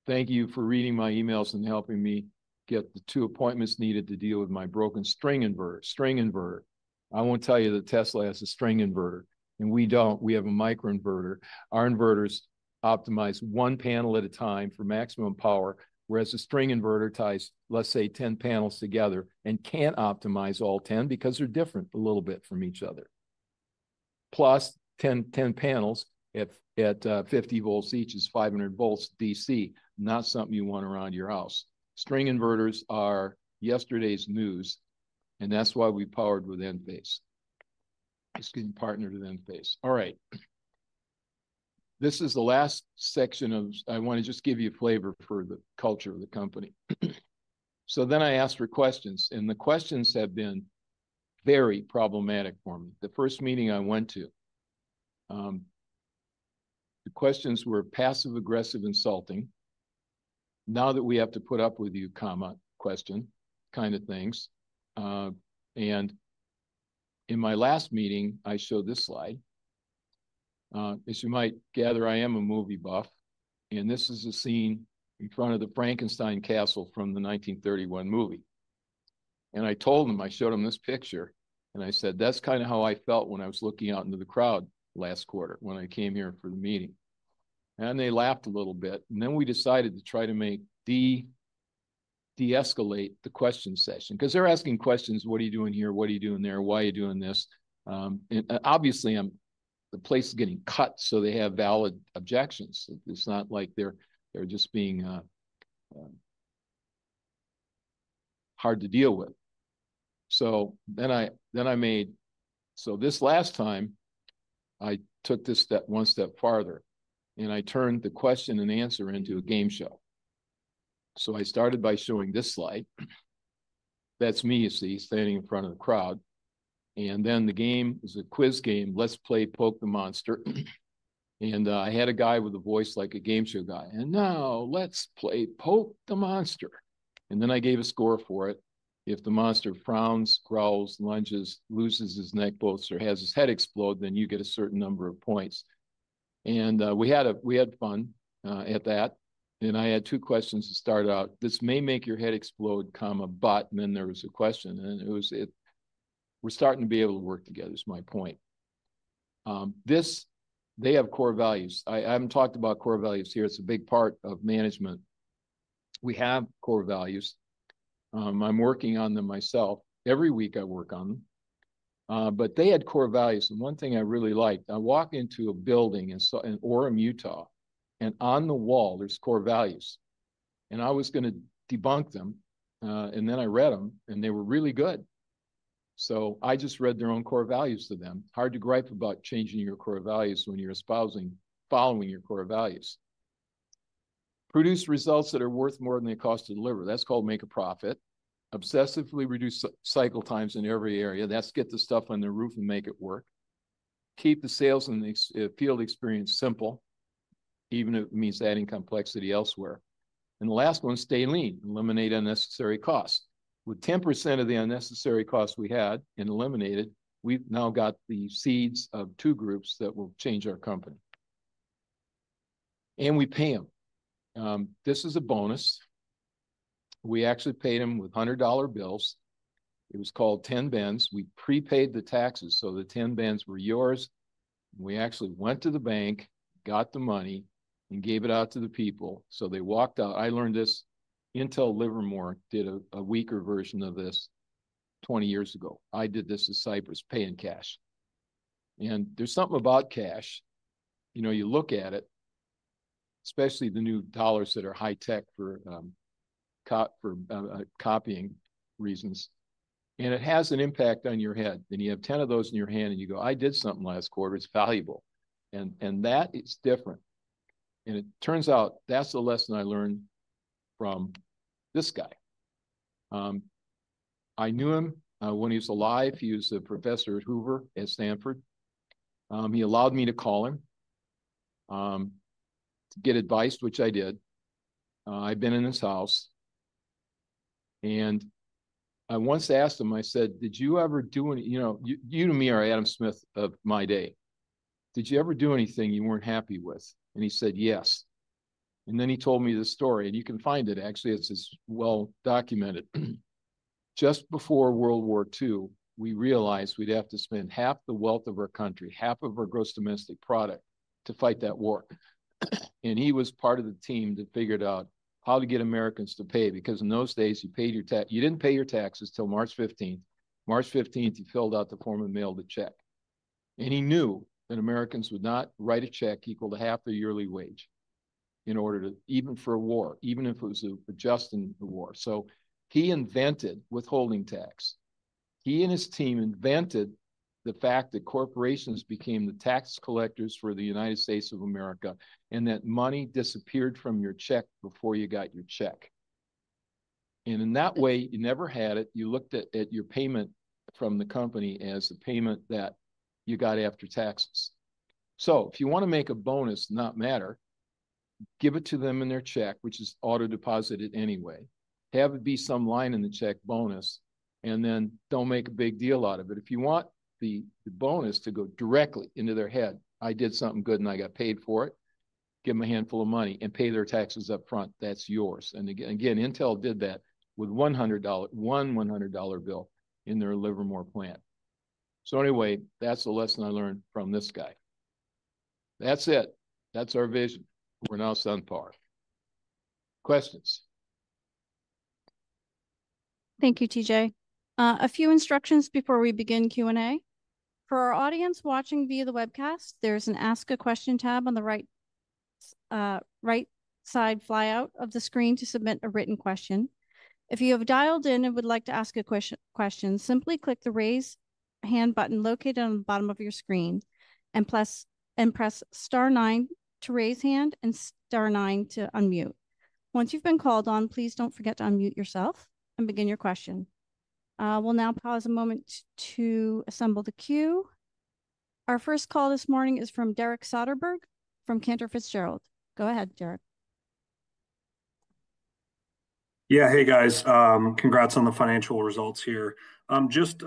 more. Thank you for reading my emails and helping me get the two appointments needed to deal with my broken string inverter. I won't tell you that Tesla has a string inverter. We don't. We have a microinverter. Our inverters optimize one panel at a time for maximum power, whereas the string inverter ties, let's say, 10 panels together and can't optimize all 10 because they're different a little bit from each other. Plus, 10 panels at 50 V each is 500 V DC, not something you want around your house. String inverters are yesterday's news. That's why we powered with Enphase. Just getting partnered with Enphase. All right. This is the last section of I want to just give you a flavor for the culture of the company. I asked for questions. The questions have been very problematic for me. The first meeting I went to, the questions were passive, aggressive, insulting. Now that we have to put up with you, comma, question kind of things. In my last meeting, I showed this slide. As you might gather, I am a movie buff. This is a scene in front of the Frankenstein Castle from the 1931 movie. I told them, I showed them this picture. I said, "That's kind of how I felt when I was looking out into the crowd last quarter when I came here for the meeting." They laughed a little bit. We decided to try to de-escalate the question session. Because they're asking questions, "What are you doing here? What are you doing there? Why are you doing this?" Obviously, the place is getting cut so they have valid objections. It's not like they're just being hard to deal with. I made—this last time, I took this one step farther. I turned the question-and-answer into a game show. I started by showing this slide. That's me, you see, standing in front of the crowd. The game is a quiz game. Let's play Pokemon Monster. I had a guy with a voice like a game show guy. "And now let's play Pokemon Monster." I gave a score for it. If the monster frowns, growls, lunges, loses his neck bolts, or has his head explode, then you get a certain number of points. We had fun at that. I had two questions to start out. This may make your head explode, but then there was a question. It was we're starting to be able to work together is my point. They have core values. I haven't talked about core values here. It's a big part of management. We have core values. I'm working on them myself. Every week, I work on them. They had core values. One thing I really liked, I walk into a building in Orem, Utah, and on the wall, there's core values. I was going to debunk them. I read them. They were really good. I just read their own core values to them. Hard to gripe about changing your core values when you're following your core values. Produce results that are worth more than they cost to deliver. That's called make a profit. Obsessively reduce cycle times in every area. That's get the stuff on the roof and make it work. Keep the sales and field experience simple, even if it means adding complexity elsewhere. The last one, stay lean. Eliminate unnecessary costs. With 10% of the unnecessary costs we had and eliminated, we've now got the seeds of two groups that will change our company. And we pay them. This is a bonus. We actually paid them with $100 bills. It was called 10 Bends. We prepaid the taxes. So the 10 Bends were yours. We actually went to the bank, got the money, and gave it out to the people. They walked out. I learned this until Livermore did a weaker version of this 20 years ago. I did this at Cypress, paying cash. There is something about cash. You look at it, especially the new dollars that are high-tech for copying reasons. It has an impact on your head. You have 10 of those in your hand, and you go, "I did something last quarter. It's valuable." That is different. It turns out that's the lesson I learned from this guy. I knew him when he was alive. He was a professor at Hoover at Stanford. He allowed me to call him to get advice, which I did. I've been in his house. I once asked him, I said, "Did you ever do any—you and me are Adam Smith of my day. Did you ever do anything you weren't happy with?" He said, "Yes." He told me the story. You can find it. Actually, it's well-documented. Just before World War II, we realized we'd have to spend half the wealth of our country, half of our gross domestic product, to fight that war. He was part of the team that figured out how to get Americans to pay. Because in those days, you paid your tax—you didn't pay your taxes till March 15th. March 15th, you filled out the form and mailed the check. He knew that Americans would not write a check equal to half their yearly wage in order to—even for a war, even if it was adjusting the war. He invented withholding tax. He and his team invented the fact that corporations became the tax collectors for the United States of America and that money disappeared from your check before you got your check. In that way, you never had it. You looked at your payment from the company as the payment that you got after taxes. If you want to make a bonus not matter, give it to them in their check, which is auto-deposited anyway. Have it be some line in the check bonus. Then do not make a big deal out of it. If you want the bonus to go directly into their head, "I did something good and I got paid for it," give them a handful of money and pay their taxes upfront. That's yours. Again, Intel did that with one $100 bill in their Livermore plant. Anyway, that's the lesson I learned from this guy. That's it. That's our vision. We're now SunPower. Questions. Thank you, T.J. A few instructions before we begin Q&A. For our audience watching via the webcast, there's an Ask a Question tab on the right-side flyout of the screen to submit a written question. If you have dialed in and would like to ask a question, simply click the Raise Hand button located on the bottom of your screen and press star nine to raise hand and star nine to unmute. Once you've been called on, please don't forget to unmute yourself and begin your question. We'll now pause a moment to assemble the queue. Our first call this morning is from Derek Soderberg from Cantor Fitzgerald. Go ahead, Derek. Yeah. Hey, guys. Congrats on the financial results here. Just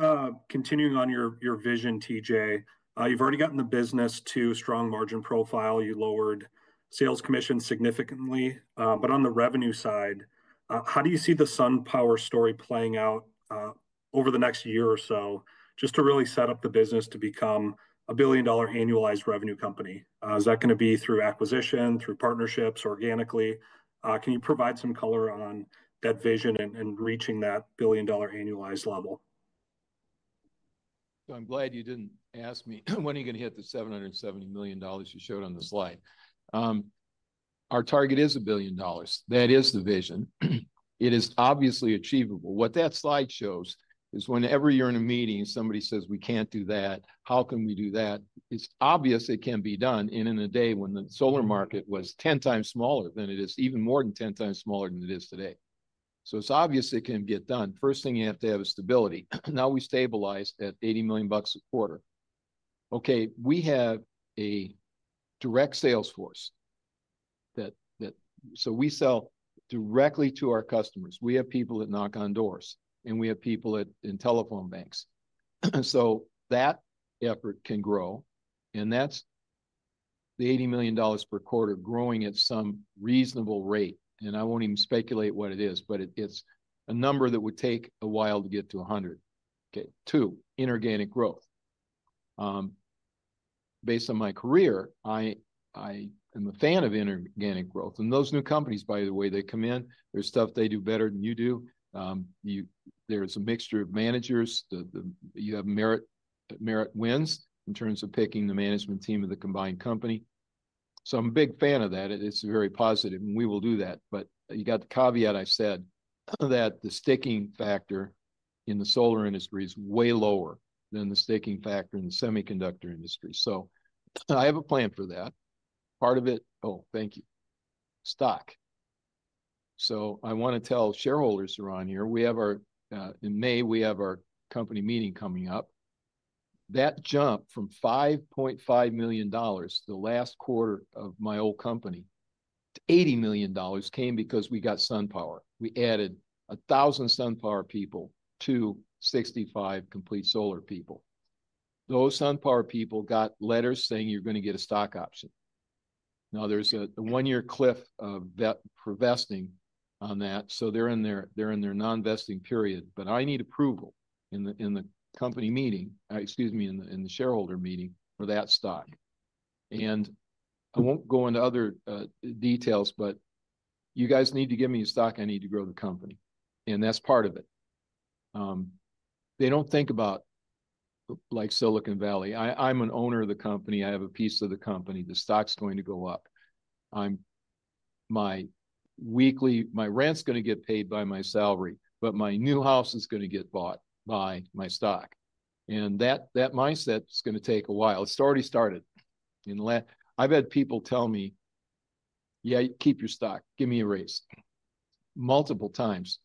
continuing on your vision, T.J., you've already gotten the business to a strong margin profile. You lowered sales commission significantly. On the revenue side, how do you see the SunPower story playing out over the next year or so just to really set up the business to become a billion-dollar annualized revenue company? Is that going to be through acquisition, through partnerships, organically? Can you provide some color on that vision and reaching that billion-dollar annualized level? I'm glad you didn't ask me, "When are you going to hit the $770 million you showed on the slide?" Our target is $1 billion. That is the vision. It is obviously achievable. What that slide shows is whenever you're in a meeting and somebody says, "We can't do that. How can we do that?" It's obvious it can be done in a day when the solar market was 10x smaller than it is, even more than 10x smaller than it is today. It is obvious it can get done. First thing you have to have is stability. Now we stabilized at $80 million a quarter. Okay. We have a direct sales force. We sell directly to our customers. We have people that knock on doors. We have people in telephone banks. That effort can grow. That is the $80 million per quarter growing at some reasonable rate. I will not even speculate what it is, but it is a number that would take a while to get to 100. Two, inorganic growth. Based on my career, I am a fan of inorganic growth. Those new companies, by the way, they come in. There is stuff they do better than you do. There is a mixture of managers. You have merit wins in terms of picking the management team of the combined company. I am a big fan of that. It's very positive. We will do that. You got the caveat I said that the sticking factor in the solar industry is way lower than the sticking factor in the semiconductor industry. I have a plan for that. Part of it—oh, thank you—stock. I want to tell shareholders who are on here, in May, we have our company meeting coming up. That jump from $5.5 million the last quarter of my old company to $80 million came because we got SunPower. We added 1,000 SunPower people to 65 Complete Solaria people. Those SunPower people got letters saying you're going to get a stock option. Now, there's a one-year cliff for vesting on that. They're in their non-vesting period. I need approval in the company meeting—excuse me—in the shareholder meeting for that stock. I will not go into other details, but you guys need to give me a stock. I need to grow the company. That is part of it. They do not think about it like Silicon Valley. I am an owner of the company. I have a piece of the company. The stock is going to go up. My rent is going to get paid by my salary, but my new house is going to get bought by my stock. That mindset is going to take a while. It has already started. I have had people tell me, "Yeah, keep your stock. Give me a raise," multiple times.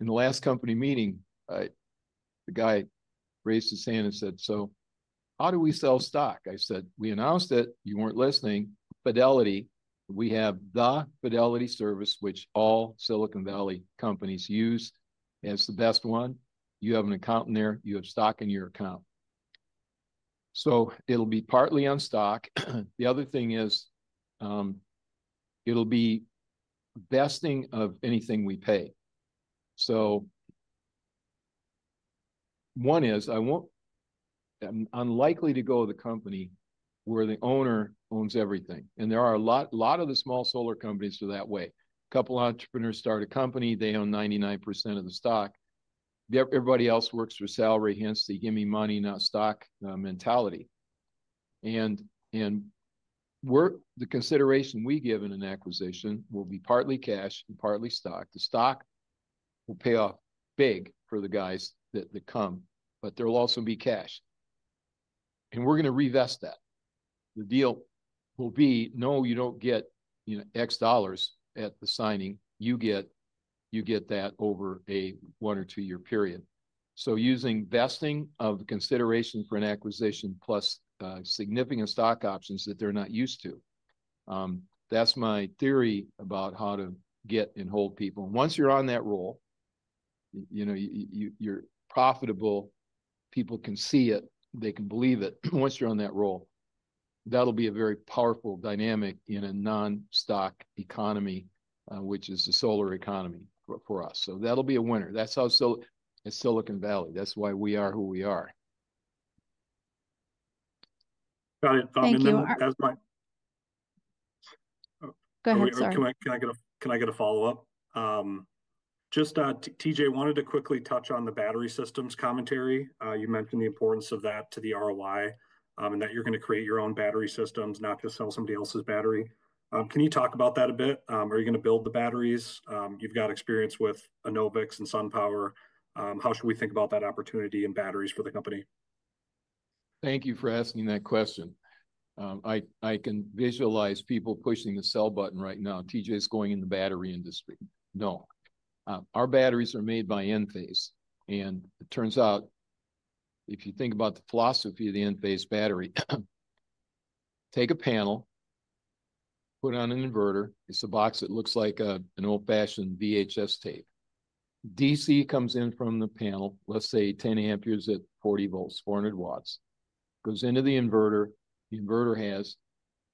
In the last company meeting, the guy raised his hand and said, "How do we sell stock?" I said, "We announced it. You were not listening. Fidelity. We have the Fidelity service, which all Silicon Valley companies use. It is the best one. You have an accountant there. You have stock in your account. It will be partly on stock. The other thing is it will be vesting of anything we pay. One is, I'm unlikely to go to the company where the owner owns everything. There are a lot of the small solar companies that are that way. A couple of entrepreneurs start a company. They own 99% of the stock. Everybody else works for salary. Hence the "give me money, not stock" mentality. The consideration we give in an acquisition will be partly cash and partly stock. The stock will pay off big for the guys that come, but there will also be cash. We are going to revest that. The deal will be, "No, you do not get X dollars at the signing. You get that over a one or two-year period. "So using vesting of the consideration for an acquisition plus significant stock options that they're not used to, that's my theory about how to get and hold people. And once you're on that role, you're profitable. People can see it. They can believe it. Once you're on that role, that'll be a very powerful dynamic in a non-stock economy, which is the solar economy for us. That'll be a winner. That's how it's Silicon Valley. That's why we are who we are. Got it. Thank you. Go ahead, sorry. Can I get a follow-up? Just T.J. wanted to quickly touch on the battery systems commentary. You mentioned the importance of that to the ROI and that you're going to create your own battery systems, not just sell somebody else's battery. Can you talk about that a bit? Are you going to build the batteries? You've got experience with Enovix and SunPower. How should we think about that opportunity in batteries for the company? Thank you for asking that question. I can visualize people pushing the sell button right now. T.J.'s going in the battery industry. No. Our batteries are made by Enphase. It turns out, if you think about the philosophy of the Enphase battery, take a panel, put it on an inverter. It's a box that looks like an old-fashioned VHS tape. DC comes in from the panel, let's say 10 A at 40 V, 400 W. Goes into the inverter. The inverter has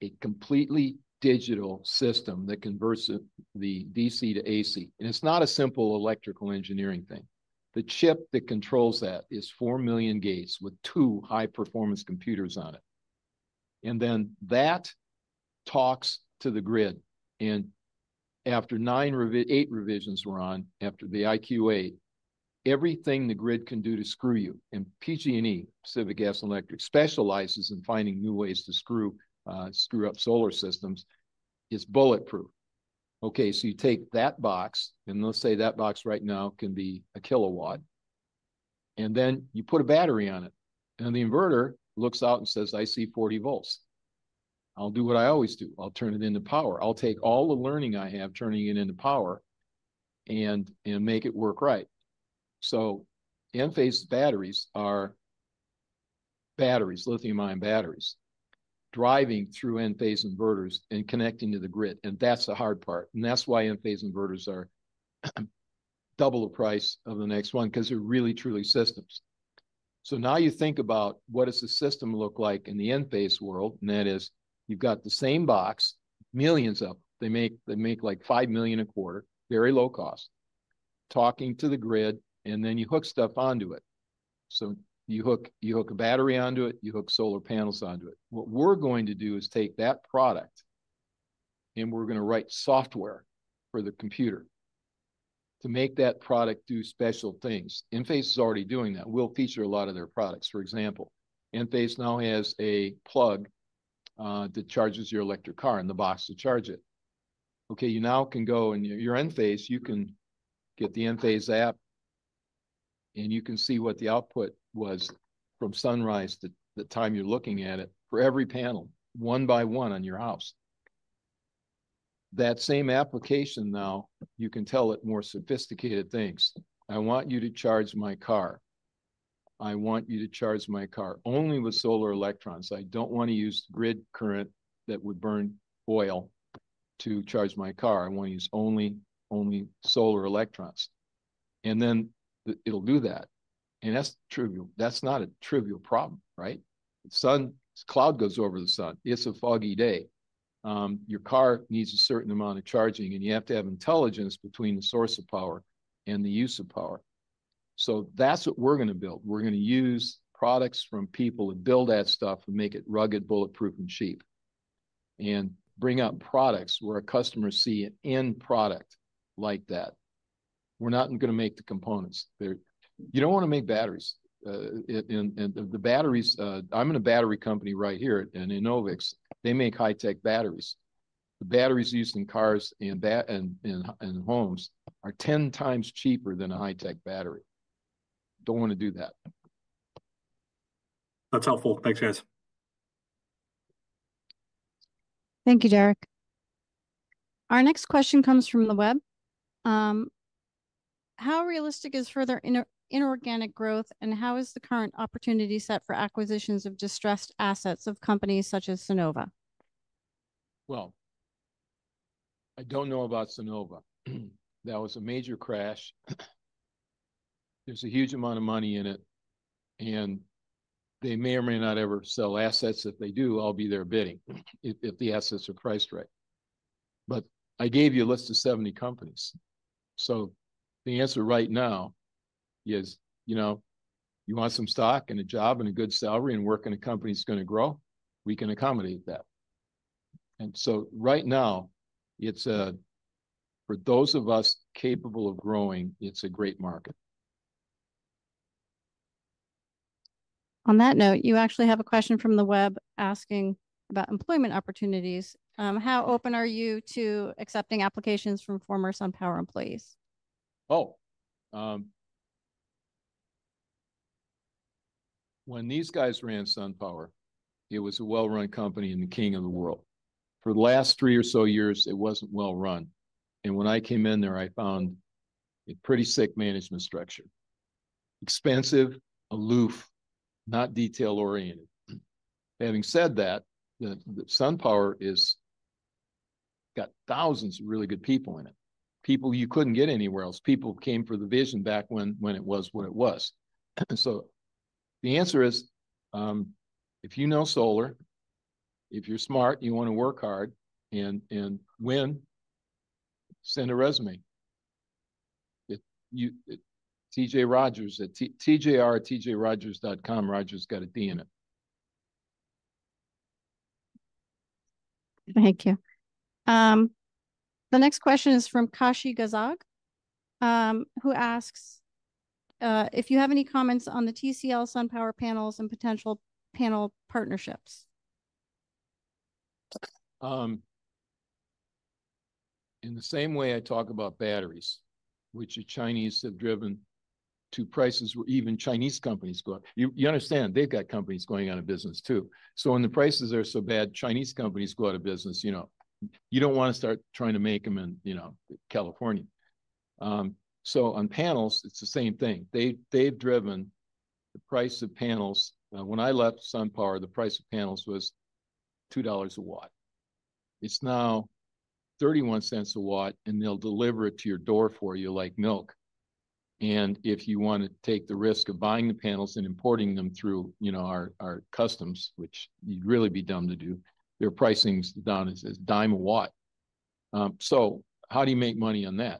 a completely digital system that converts the DC to AC. It's not a simple electrical engineering thing. The chip that controls that is 4 million gates with two high-performance computers on it. That talks to the grid. After eight revisions, we're on, after the IQA, everything the grid can do to screw you. PG&E, Pacific Gas and Electric, specializes in finding new ways to screw up solar systems. It's bulletproof. You take that box, and let's say that box right now can be 1 kW. You put a battery on it. The inverter looks out and says, "I see 40 V. I'll do what I always do. I'll turn it into power. I'll take all the learning I have, turning it into power, and make it work right." Enphase batteries are batteries, lithium-ion batteries, driving through Enphase inverters and connecting to the grid. That's the hard part. That's why Enphase inverters are double the price of the next one because they're really, truly systems. Now you think about what does the system look like in the Enphase world. That is, you've got the same box, millions of them. They make like 5 million a quarter, very low cost, talking to the grid, and then you hook stuff onto it. You hook a battery onto it. You hook solar panels onto it. What we're going to do is take that product, and we're going to write software for the computer to make that product do special things. Enphase is already doing that. We'll feature a lot of their products. For example, Enphase now has a plug that charges your electric car in the box to charge it. Okay. You now can go in your Enphase, you can get the Enphase app, and you can see what the output was from sunrise to the time you're looking at it for every panel, one by one on your house. That same application now, you can tell it more sophisticated things. I want you to charge my car. I want you to charge my car only with solar electrons. I don't want to use grid current that would burn oil to charge my car. I want to use only solar electrons. It will do that. That is not a trivial problem, right? The cloud goes over the sun. It's a foggy day. Your car needs a certain amount of charging, and you have to have intelligence between the source of power and the use of power. That is what we're going to build. We're going to use products from people to build that stuff and make it rugged, bulletproof, and cheap, and bring out products where a customer sees an end product like that. We're not going to make the components. You don't want to make batteries. And I'm in a battery company right here at Enovix. They make high-tech batteries. The batteries used in cars and homes are 10x cheaper than a high-tech battery. Don't want to do that. That's helpful. Thanks, guys. Thank you, Derek. Our next question comes from the web. How realistic is further inorganic growth, and how is the current opportunity set for acquisitions of distressed assets of companies such as Sunova? I don't know about Sunova. That was a major crash. There's a huge amount of money in it. They may or may not ever sell assets. If they do, I'll be there bidding if the assets are priced right. I gave you a list of 70 companies. The answer right now is you want some stock and a job and a good salary and work in a company that's going to grow? We can accommodate that. Right now, for those of us capable of growing, it's a great market. On that note, you actually have a question from the web asking about employment opportunities. How open are you to accepting applications from former SunPower employees? Oh. When these guys ran SunPower, it was a well-run company and the king of the world. For the last three or so years, it wasn't well-run. When I came in there, I found a pretty sick management structure. Expensive, aloof, not detail-oriented. Having said that, SunPower got thousands of really good people in it. People you could not get anywhere else. People came for the vision back when it was what it was. The answer is, if you know solar, if you are smart, you want to work hard and win, send a resume. TJR@tjrodgers.com. Rodgers has a D in it. Thank you. The next question is from Kashi Gazag, who asks if you have any comments on the TCL SunPower panels and potential panel partnerships. In the same way I talk about batteries, which the Chinese have driven to prices where even Chinese companies go out. You understand they have got companies going out of business too. When the prices are so bad, Chinese companies go out of business, you do not want to start trying to make them in California. On panels, it is the same thing. They have driven the price of panels. When I left SunPower, the price of panels was $2 a watt. It's now $0.31 a watt, and they'll deliver it to your door for you like milk. If you want to take the risk of buying the panels and importing them through our customs, which you'd really be dumb to do, their pricing's down as a dime a watt. How do you make money on that?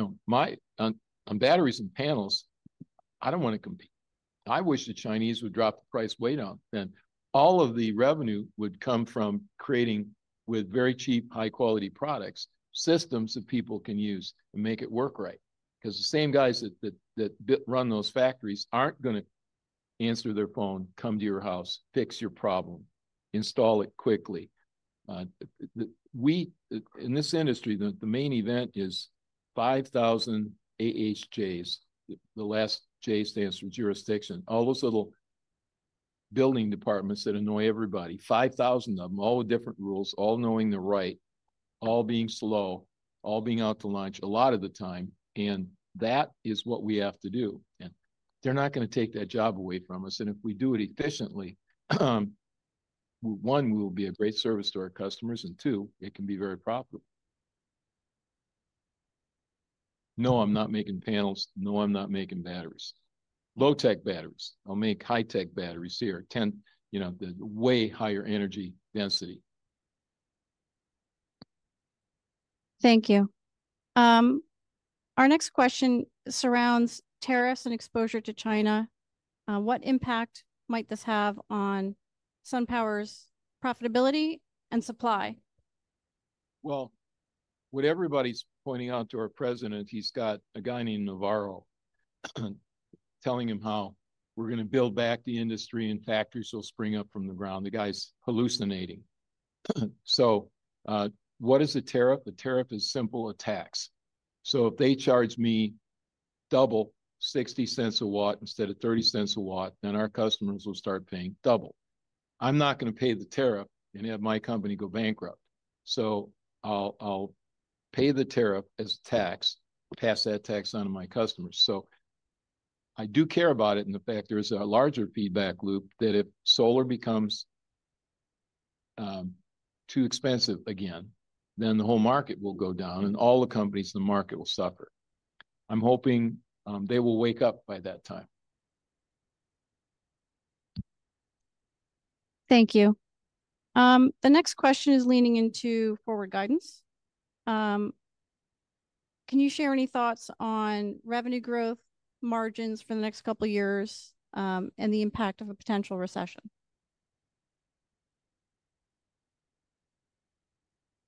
On batteries and panels, I don't want to compete. I wish the Chinese would drop the price way down. All of the revenue would come from creating, with very cheap, high-quality products, systems that people can use and make it work right. Because the same guys that run those factories aren't going to answer their phone, come to your house, fix your problem, install it quickly. In this industry, the main event is 5,000 AHJs, the last J stands for jurisdiction. All those little building departments that annoy everybody, 5,000 of them, all with different rules, all knowing the right, all being slow, all being out to lunch a lot of the time. That is what we have to do. They're not going to take that job away from us. If we do it efficiently, one, we will be a great service to our customers, and two, it can be very profitable. No, I'm not making panels. No, I'm not making batteries. Low-tech batteries. I'll make high-tech batteries here, the way higher energy density. Thank you. Our next question surrounds tariffs and exposure to China. What impact might this have on SunPower's profitability and supply? What everybody's pointing out to our President, he's got a guy named Navarro telling him how we're going to build back the industry and factories will spring up from the ground. The guy's hallucinating. What is a tariff? A tariff is simply a tax. If they charge me double, $0.60 a watt instead of $0.30 a watt, then our customers will start paying double. I'm not going to pay the tariff and have my company go bankrupt. I'll pay the tariff as a tax, pass that tax on to my customers. I do care about it. The fact is there is a larger feedback loop that if solar becomes too expensive again, the whole market will go down and all the companies in the market will suffer. I'm hoping they will wake up by that time. Thank you. The next question is leaning into forward guidance. Can you share any thoughts on revenue growth, margins for the next couple of years, and the impact of a potential recession?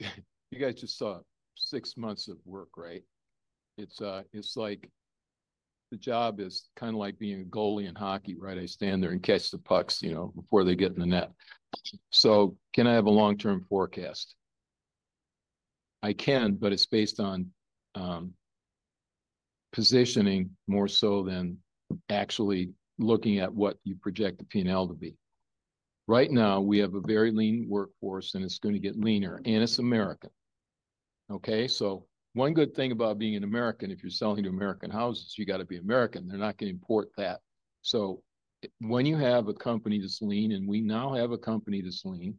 You guys just saw six months of work, right? It's like the job is kind of like being a goalie in hockey, right? I stand there and catch the pucks before they get in the net. Can I have a long-term forecast? I can, but it's based on positioning more so than actually looking at what you project the P&L to be. Right now, we have a very lean workforce, and it's going to get leaner. And it's American. Okay? So one good thing about being an American, if you're selling to American houses, you got to be American. They're not going to import that. When you have a company that's lean, and we now have a company that's lean,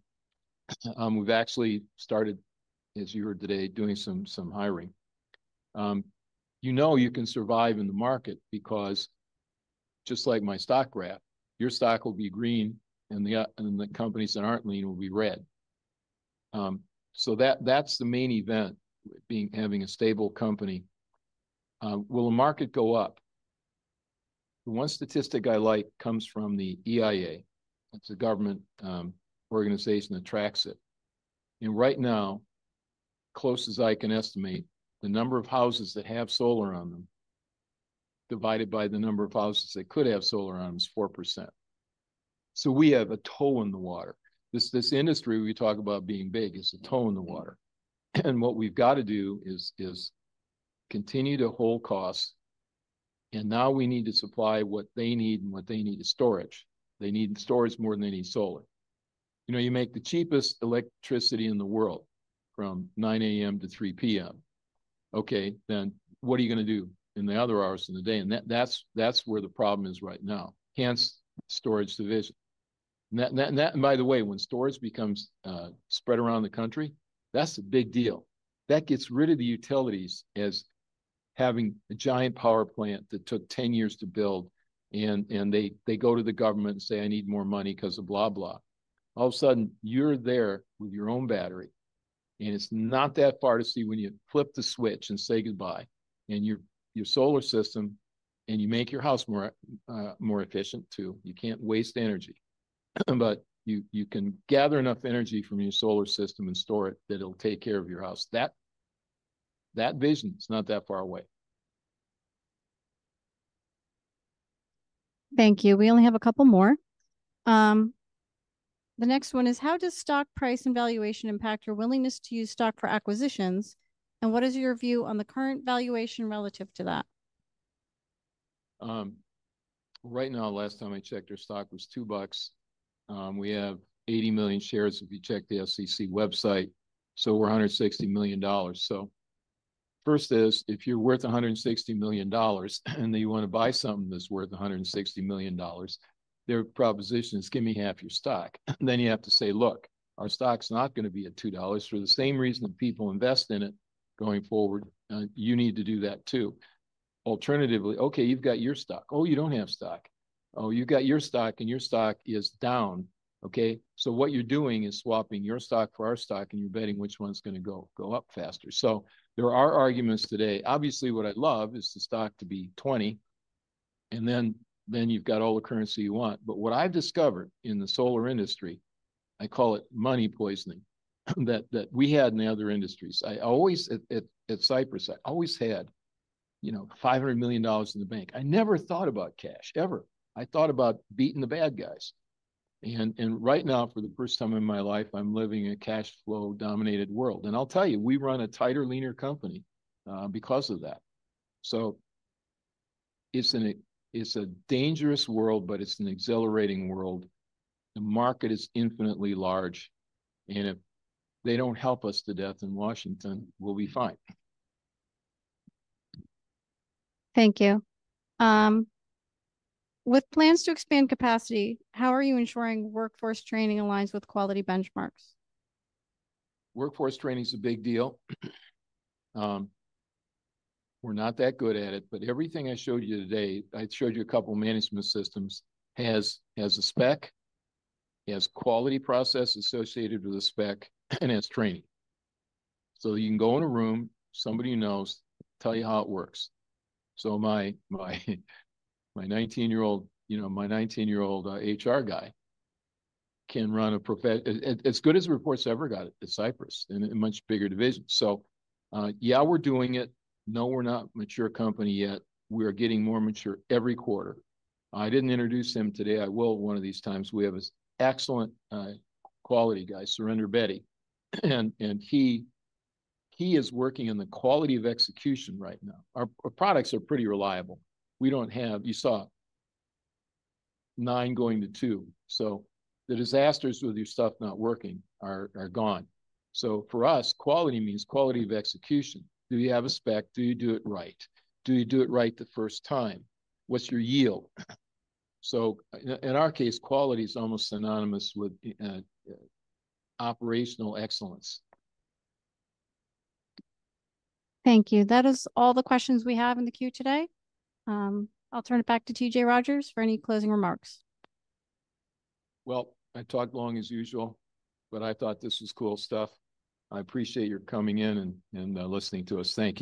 we've actually started, as you heard today, doing some hiring. You know you can survive in the market because just like my stock graph, your stock will be green, and the companies that aren't lean will be red. That's the main event, having a stable company. Will the market go up? One statistic I like comes from the EIA. It's a government organization that tracks it. Right now, close as I can estimate, the number of houses that have solar on them divided by the number of houses that could have solar on them is 4%. We have a toe in the water. This industry we talk about being big is a toe in the water. What we've got to do is continue to hold costs. We need to supply what they need and what they need is storage. They need storage more than they need solar. You make the cheapest electricity in the world from 9:00 A.M.-3:00 P.M. Okay. What are you going to do in the other hours of the day? That is where the problem is right now. Hence the storage division. By the way, when storage becomes spread around the country, that is a big deal. That gets rid of the utilities as having a giant power plant that took 10 years to build, and they go to the government and say, "I need more money because of blah, blah." All of a sudden, you are there with your own battery. It is not that far to see when you flip the switch and say goodbye. Your solar system, and you make your house more efficient too. You can't waste energy. You can gather enough energy from your solar system and store it that it'll take care of your house. That vision is not that far away. Thank you. We only have a couple more. The next one is, how does stock price and valuation impact your willingness to use stock for acquisitions? What is your view on the current valuation relative to that? Right now, last time I checked, our stock was $2. We have 80 million shares if you check the SEC website. So we're $160 million. First is, if you're worth $160 million and you want to buy something that's worth $160 million, their proposition is, "Give me half your stock." You have to say, "Look, our stock's not going to be at $2 for the same reason that people invest in it going forward. You need to do that too." Alternatively, "Okay, you've got your stock. Oh, you don't have stock. Oh, you've got your stock, and your stock is down." Okay? What you're doing is swapping your stock for our stock, and you're betting which one's going to go up faster. There are arguments today. Obviously, what I'd love is the stock to be 20, and then you've got all the currency you want. What I've discovered in the solar industry, I call it money poisoning, that we had in the other industries. At Cypress, I always had $500 million in the bank. I never thought about cash, ever. I thought about beating the bad guys. Right now, for the first time in my life, I'm living in a cash-flow-dominated world. I'll tell you, we run a tighter, leaner company because of that. It's a dangerous world, but it's an exhilarating world. The market is infinitely large. If they don't help us to death in Washington, we'll be fine. Thank you. With plans to expand capacity, how are you ensuring workforce training aligns with quality benchmarks? Workforce training is a big deal. We're not that good at it. Everything I showed you today, I showed you a couple of management systems, has a spec, has quality processes associated with a spec, and has training. You can go in a room, somebody knows, tell you how it works. My 19-year-old HR guy can run a—as good as the reports I've ever got—at Cypress in a much bigger division. Yeah, we're doing it. No, we're not a mature company yet. We are getting more mature every quarter. I didn't introduce him today. I will one of these times. We have an excellent quality guy, Surinder Betty. He is working on the quality of execution right now. Our products are pretty reliable. You saw nine going to two. The disasters with your stuff not working are gone. For us, quality means quality of execution. Do you have a spec? Do you do it right? Do you do it right the first time? What is your yield? In our case, quality is almost synonymous with operational excellence. Thank you. That is all the questions we have in the queue today. I will turn it back to T.J. Rodgers for any closing remarks. I talked long as usual, but I thought this was cool stuff. I appreciate your coming in and listening to us. Thank you.